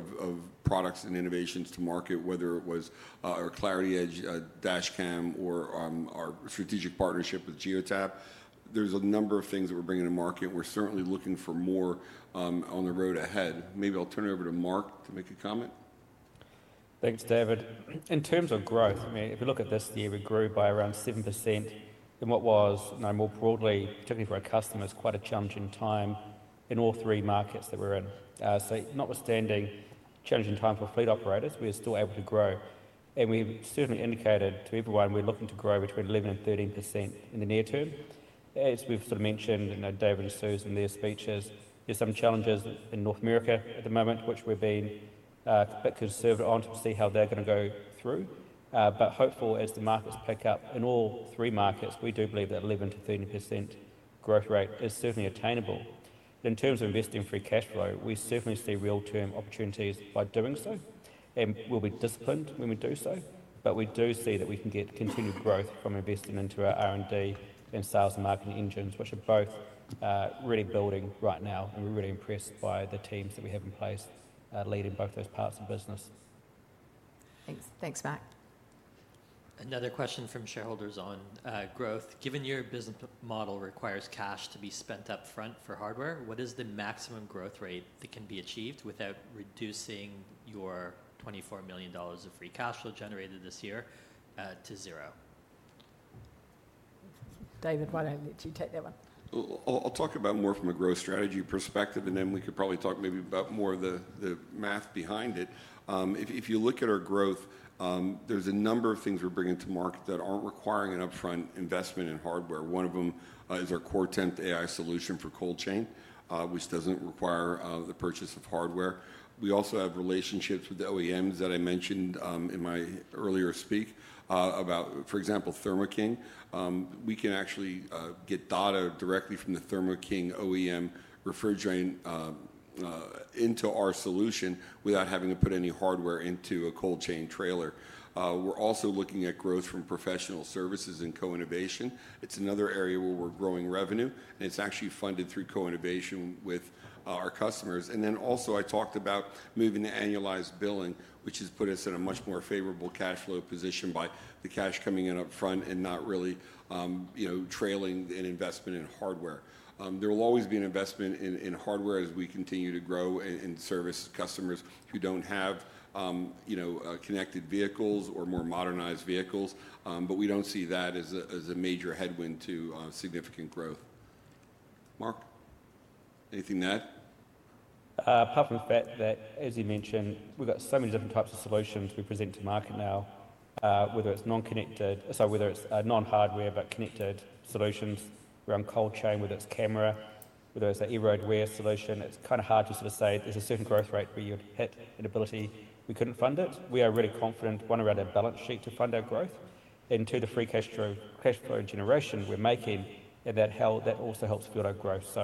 products and innovations to market, whether it was our Clarity Dashcam or our strategic partnership with Geotab. There's a number of things that we're bringing to market. We're certainly looking for more on the road ahead. Maybe I'll turn it over to Mark to make a comment. Thanks, David. In terms of growth, I mean, if you look at this year, we grew by around 7% in what was, more broadly, particularly for our customers, quite a challenging time in all three markets that we're in. Notwithstanding challenging time for fleet operators, we are still able to grow. We've certainly indicated to everyone we're looking to grow between 11%-13% in the near term. As we've sort of mentioned in David and Susan's speeches, there's some challenges in North America at the moment, which we've been a bit conservative on to see how they're going to go through. Hopeful, as the markets pick up in all three markets, we do believe that 11%-13% growth rate is certainly attainable. In terms of investing in free cash flow, we certainly see real-term opportunities by doing so. We will be disciplined when we do so. We do see that we can get continued growth from investing into our R&D and sales and marketing engines, which are both really building right now. We are really impressed by the teams that we have in place leading both those parts of business. Thanks. Thanks, Mark. Another question from shareholders on growth. Given your business model requires cash to be spent upfront for hardware, what is the maximum growth rate that can be achieved without reducing your 24 million dollars of free cash flow generated this year to zero? David, why don't you take that one? I'll talk about more from a growth strategy perspective, and then we could probably talk maybe about more of the math behind it. If you look at our growth, there's a number of things we're bringing to market that aren't requiring an upfront investment in hardware. One of them is our CoreTemp AI solution for cold chain, which doesn't require the purchase of hardware. We also have relationships with the OEMs that I mentioned in my earlier speak about, for example, Thermo King. We can actually get data directly from the Thermo King OEM refrigerant into our solution without having to put any hardware into a cold chain trailer. We're also looking at growth from professional services and co-innovation. It's another area where we're growing revenue, and it's actually funded through co-innovation with our customers. I talked about moving to annualized billing, which has put us in a much more favorable cash flow position by the cash coming in upfront and not really trailing an investment in hardware. There will always be an investment in hardware as we continue to grow and service customers who do not have connected vehicles or more modernized vehicles. We do not see that as a major headwind to significant growth. Mark? Anything to add? Apart from the fact that, as you mentioned, we've got so many different types of solutions we present to market now, whether it's non-connected, sorry, whether it's non-hardware but connected solutions around cold chain, whether it's camera, whether it's an EROAD wear solution. It's kind of hard to sort of say there's a certain growth rate where you'd hit an ability we couldn't fund it. We are really confident, one, around our balance sheet to fund our growth. Two, the free cash flow generation we're making, and that also helps build our growth.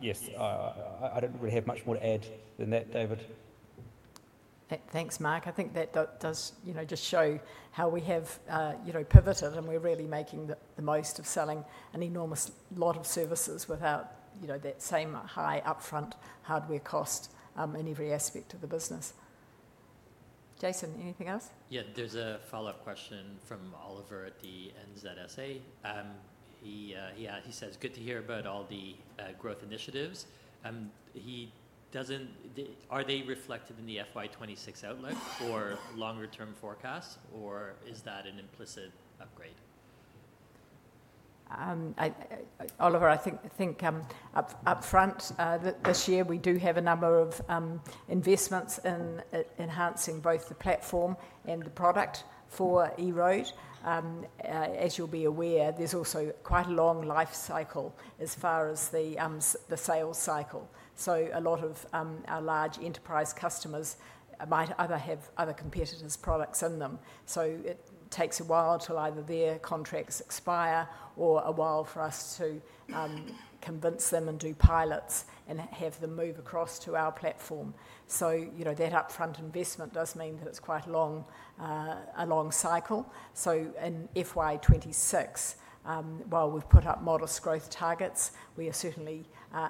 Yes, I don't really have much more to add than that, David. Thanks, Mark. I think that does just show how we have pivoted and we're really making the most of selling an enormous lot of services without that same high upfront hardware cost in every aspect of the business. Jason, anything else? Yeah, there's a follow-up question from Oliver at the NZSA. He says, "Good to hear about all the growth initiatives. Are they reflected in the FY 2026 outlook or longer-term forecast, or is that an implicit upgrade? I think upfront, this year, we do have a number of investments in enhancing both the platform and the product for EROAD. As you'll be aware, there's also quite a long life cycle as far as the sales cycle. A lot of our large enterprise customers might either have other competitors' products in them. It takes a while till either their contracts expire or a while for us to convince them and do pilots and have them move across to our platform. That upfront investment does mean that it's quite a long cycle. In FY 2026, while we've put up modest growth targets, we are certainly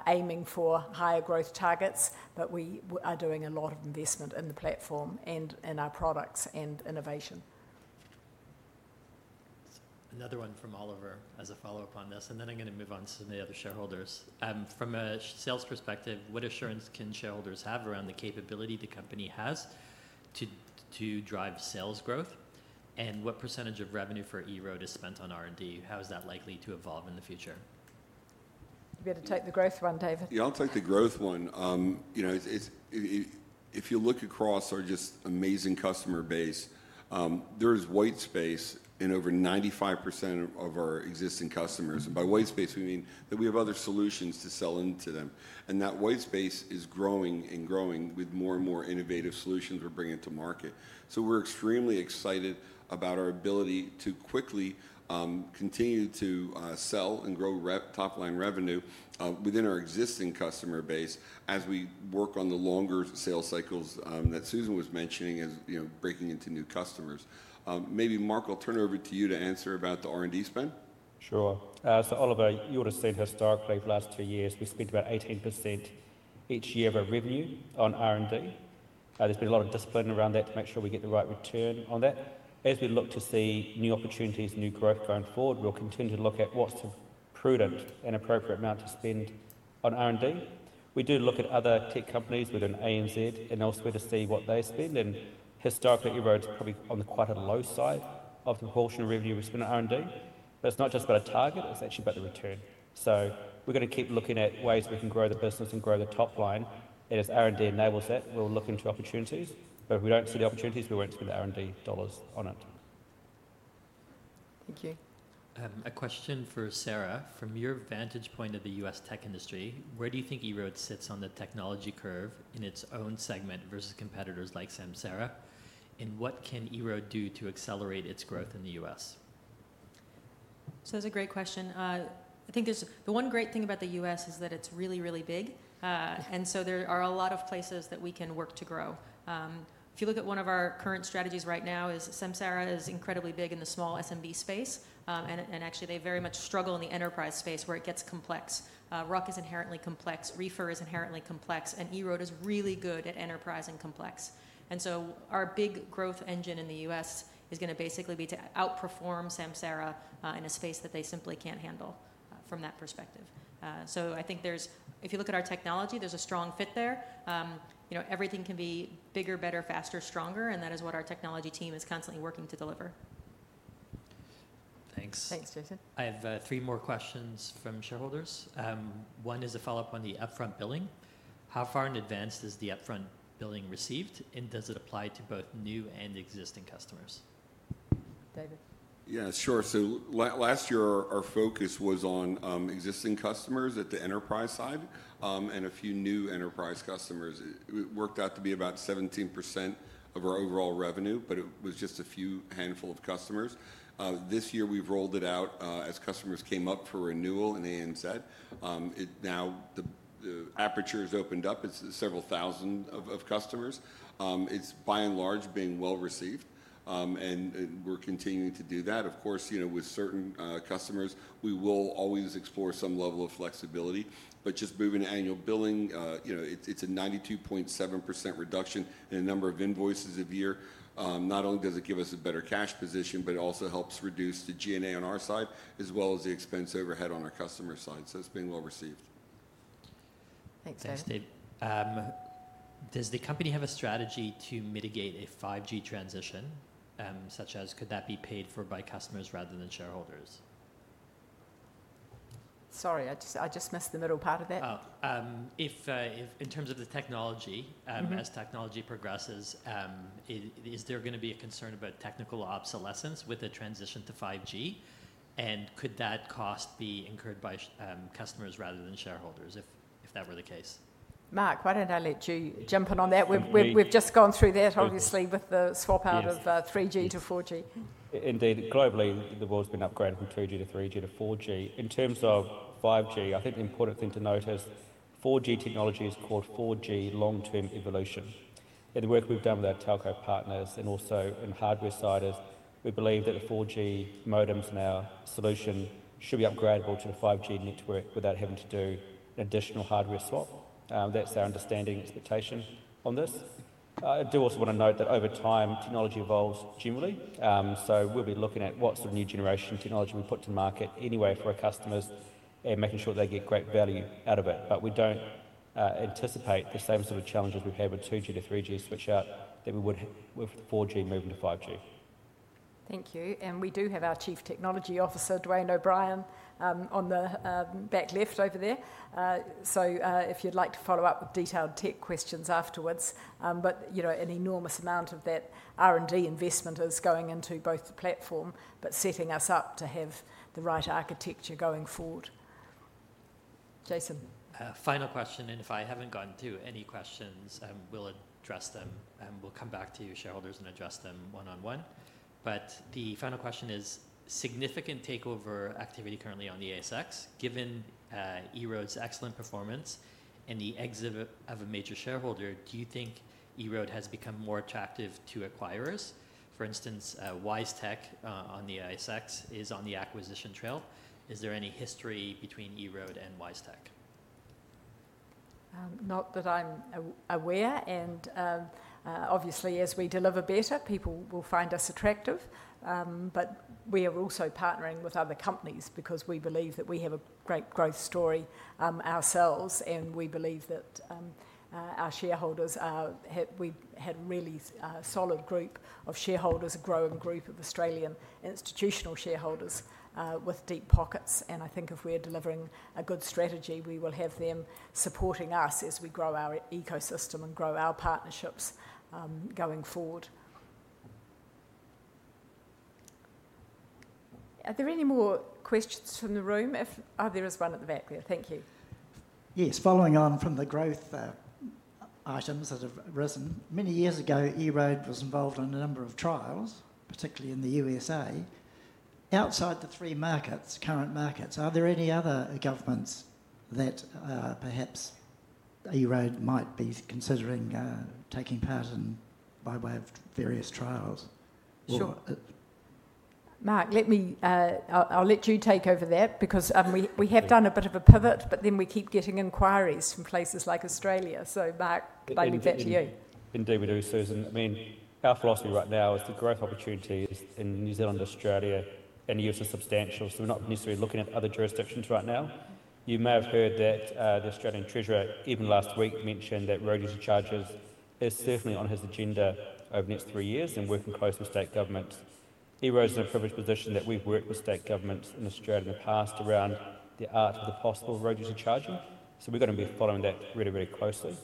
aiming for higher growth targets, but we are doing a lot of investment in the platform and in our products and innovation. Another one from Oliver as a follow-up on this. I'm going to move on to some of the other shareholders. From a sales perspective, what assurance can shareholders have around the capability the company has to drive sales growth? What percentage of revenue for EROAD is spent on R&D? How is that likely to evolve in the future? You better take the growth one, David. Yeah, I'll take the growth one. If you look across our just amazing customer base, there is white space in over 95% of our existing customers. And by white space, we mean that we have other solutions to sell into them. That white space is growing and growing with more and more innovative solutions we're bringing to market. We are extremely excited about our ability to quickly continue to sell and grow top-line revenue within our existing customer base as we work on the longer sales cycles that Susan was mentioning as breaking into new customers. Maybe Mark, I'll turn it over to you to answer about the R&D spend. Sure. Oliver, you would have seen our story for the last two years. We spent about 18% each year of our revenue on R&D. There has been a lot of discipline around that to make sure we get the right return on that. As we look to see new opportunities, new growth going forward, we will continue to look at what is the prudent and appropriate amount to spend on R&D. We do look at other tech companies within ANZ and elsewhere to see what they spend. Historically, EROAD is probably on quite a low side of the proportion of revenue we spend on R&D. It is not just about a target. It is actually about the return. We are going to keep looking at ways we can grow the business and grow the top line. As R&D enables that, we will look into opportunities. If we don't see the opportunities, we won't spend the R&D dollars on it. Thank you. A question for Sarah. From your vantage point of the U.S. tech industry, where do you think EROAD sits on the technology curve in its own segment versus competitors like Samsara? What can EROAD do to accelerate its growth in the U.S.? That's a great question. I think the one great thing about the U.S. is that it's really, really big. There are a lot of places that we can work to grow. If you look at one of our current strategies right now, Samsara is incredibly big in the small SMB space. Actually, they very much struggle in the enterprise space where it gets complex. ROC is inherently complex. Reefer is inherently complex. EROAD is really good at enterprise and complex. Our big growth engine in the U.S. is going to basically be to outperform Samsara in a space that they simply can't handle from that perspective. I think if you look at our technology, there's a strong fit there. Everything can be bigger, better, faster, stronger. That is what our technology team is constantly working to deliver. Thanks. Thanks, Jason. I have three more questions from shareholders. One is a follow-up on the upfront billing. How far in advance is the upfront billing received? Does it apply to both new and existing customers? David. Yeah, sure. Last year, our focus was on existing customers at the enterprise side and a few new enterprise customers. It worked out to be about 17% of our overall revenue, but it was just a few handful of customers. This year, we've rolled it out as customers came up for renewal in AMZ. Now, the aperture has opened up. It's several thousand of customers. It's, by and large, being well received. We're continuing to do that. Of course, with certain customers, we will always explore some level of flexibility. Just moving to annual billing, it's a 92.7% reduction in the number of invoices a year. Not only does it give us a better cash position, it also helps reduce the G&A on our side as well as the expense overhead on our customer side. It's being well received. Thanks, David. Thanks, David. Does the company have a strategy to mitigate a 5G transition, such as could that be paid for by customers rather than shareholders? Sorry, I just missed the middle part of that. In terms of the technology, as technology progresses, is there going to be a concern about technical obsolescence with a transition to 5G? Could that cost be incurred by customers rather than shareholders if that were the case? Mark, why don't I let you jump in on that? We've just gone through that, obviously, with the swap out of 3G to 4G. Indeed. Globally, the world's been upgrading from 2G to 3G to 4G. In terms of 5G, I think the important thing to note is 4G technology is called 4G long-term evolution. In the work we've done with our telco partners and also in hardware side, we believe that the 4G modems and our solution should be upgradable to the 5G network without having to do an additional hardware swap. That's our understanding and expectation on this. I do also want to note that over time, technology evolves generally. We will be looking at what sort of new generation technology we put to market anyway for our customers and making sure they get great value out of it. We do not anticipate the same sort of challenges we've had with 2G to 3G switch-out that we would with 4G moving to 5G. Thank you. We do have our Chief Technology Officer, Dwayne O'Brien, on the back left over there. If you'd like to follow up with detailed tech questions afterwards, an enormous amount of that R&D investment is going into both the platform but setting us up to have the right architecture going forward. Jason. Final question. If I haven't gotten through any questions, we'll address them. We'll come back to you, shareholders, and address them one-on-one. The final question is, significant takeover activity currently on the ASX. Given EROAD's excellent performance and the exit of a major shareholder, do you think EROAD has become more attractive to acquirers? For instance, WiseTech on the ASX is on the acquisition trail. Is there any history between EROAD and WiseTech? Not that I'm aware. Obviously, as we deliver better, people will find us attractive. We are also partnering with other companies because we believe that we have a great growth story ourselves. We believe that our shareholders are, we had a really solid group of shareholders, a growing group of Australian institutional shareholders with deep pockets. I think if we're delivering a good strategy, we will have them supporting us as we grow our ecosystem and grow our partnerships going forward. Are there any more questions from the room? Oh, there is one at the back there. Thank you. Yes, following on from the growth items that have risen, many years ago, EROAD was involved in a number of trials, particularly in the USA. Outside the three current markets, are there any other governments that perhaps EROAD might be considering taking part in by way of various trials? Sure. Mark, I'll let you take over that because we have done a bit of a pivot, but then we keep getting inquiries from places like Australia. Mark, handing back to you. Indeed, we do, Susan. I mean, our philosophy right now is the growth opportunity in New Zealand and Australia and the US is substantial. We are not necessarily looking at other jurisdictions right now. You may have heard that the Australian Treasurer, even last week, mentioned that road user charges is certainly on his agenda over the next three years and working closely with state governments. EROAD is in a privileged position that we have worked with state governments in Australia in the past around the art of the possible road user charging. We are going to be following that really, really closely.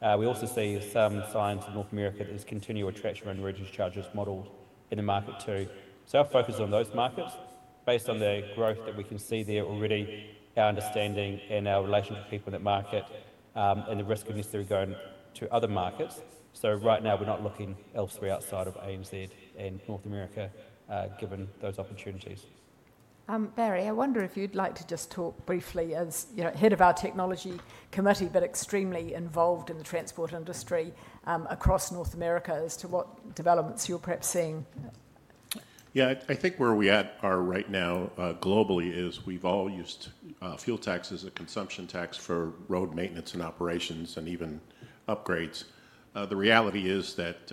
We also see some signs in North America that there is continued attraction around road user charges modeled in the market too. Our focus is on those markets. Based on the growth that we can see there already, our understanding and our relationship with people in that market and the risk of necessarily going to other markets. Right now, we're not looking elsewhere outside of ANZ and North America given those opportunities. Barry, I wonder if you'd like to just talk briefly as Head of our Technology Committee but extremely involved in the transport industry across North America as to what developments you're perhaps seeing. Yeah, I think where we are at right now globally is we've all used fuel tax as a consumption tax for road maintenance and operations and even upgrades. The reality is that,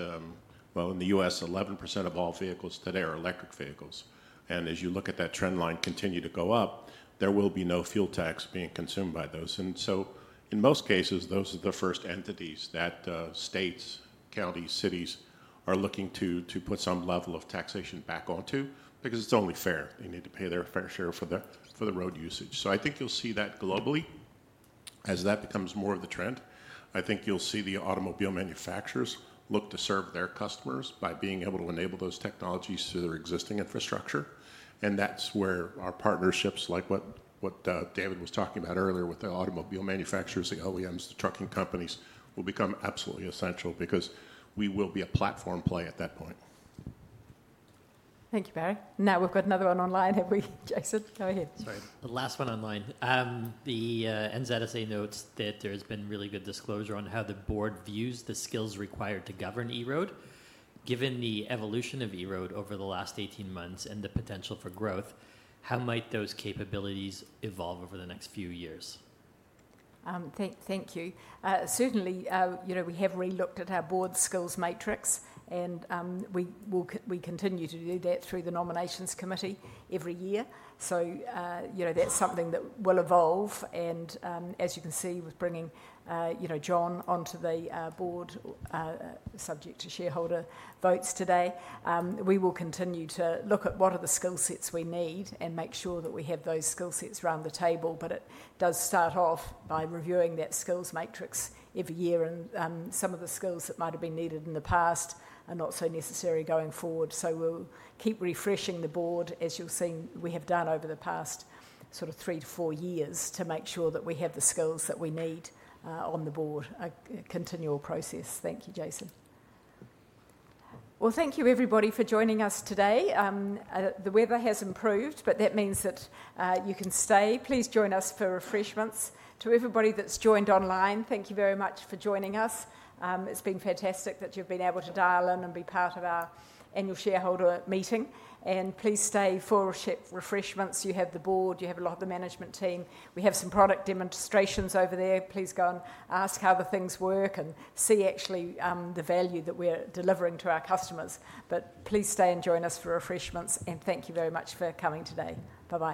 in the U.S., 11% of all vehicles today are electric vehicles. As you look at that trend line continue to go up, there will be no fuel tax being consumed by those. In most cases, those are the first entities that states, counties, cities are looking to put some level of taxation back onto because it's only fair. They need to pay their fair share for the road usage. I think you'll see that globally as that becomes more of the trend. I think you'll see the automobile manufacturers look to serve their customers by being able to enable those technologies to their existing infrastructure. That is where our partnerships, like what David was talking about earlier with the automobile manufacturers, the OEMs, the trucking companies, will become absolutely essential because we will be a platform play at that point. Thank you, Barry. Now we've got another one online. Jason, go ahead. Sorry, the last one online. The NZSA notes that there has been really good disclosure on how the board views the skills required to govern EROAD. Given the evolution of EROAD over the last 18 months and the potential for growth, how might those capabilities evolve over the next few years? Thank you. Certainly, we have re-looked at our board skills matrix. We continue to do that through the nominations committee every year. That is something that will evolve. As you can see, with bringing John onto the board subject to shareholder votes today, we will continue to look at what are the skill sets we need and make sure that we have those skill sets around the table. It does start off by reviewing that skills matrix every year. Some of the skills that might have been needed in the past are not so necessary going forward. We will keep refreshing the board as you will see we have done over the past sort of three to four years to make sure that we have the skills that we need on the board. A continual process. Thank you, Jason. Thank you, everybody, for joining us today. The weather has improved, but that means that you can stay. Please join us for refreshments. To everybody that's joined online, thank you very much for joining us. It's been fantastic that you've been able to dial in and be part of our annual shareholder meeting. Please stay for refreshments. You have the board. You have a lot of the management team. We have some product demonstrations over there. Please go and ask how the things work and see actually the value that we're delivering to our customers. Please stay and join us for refreshments. Thank you very much for coming today. Bye-bye.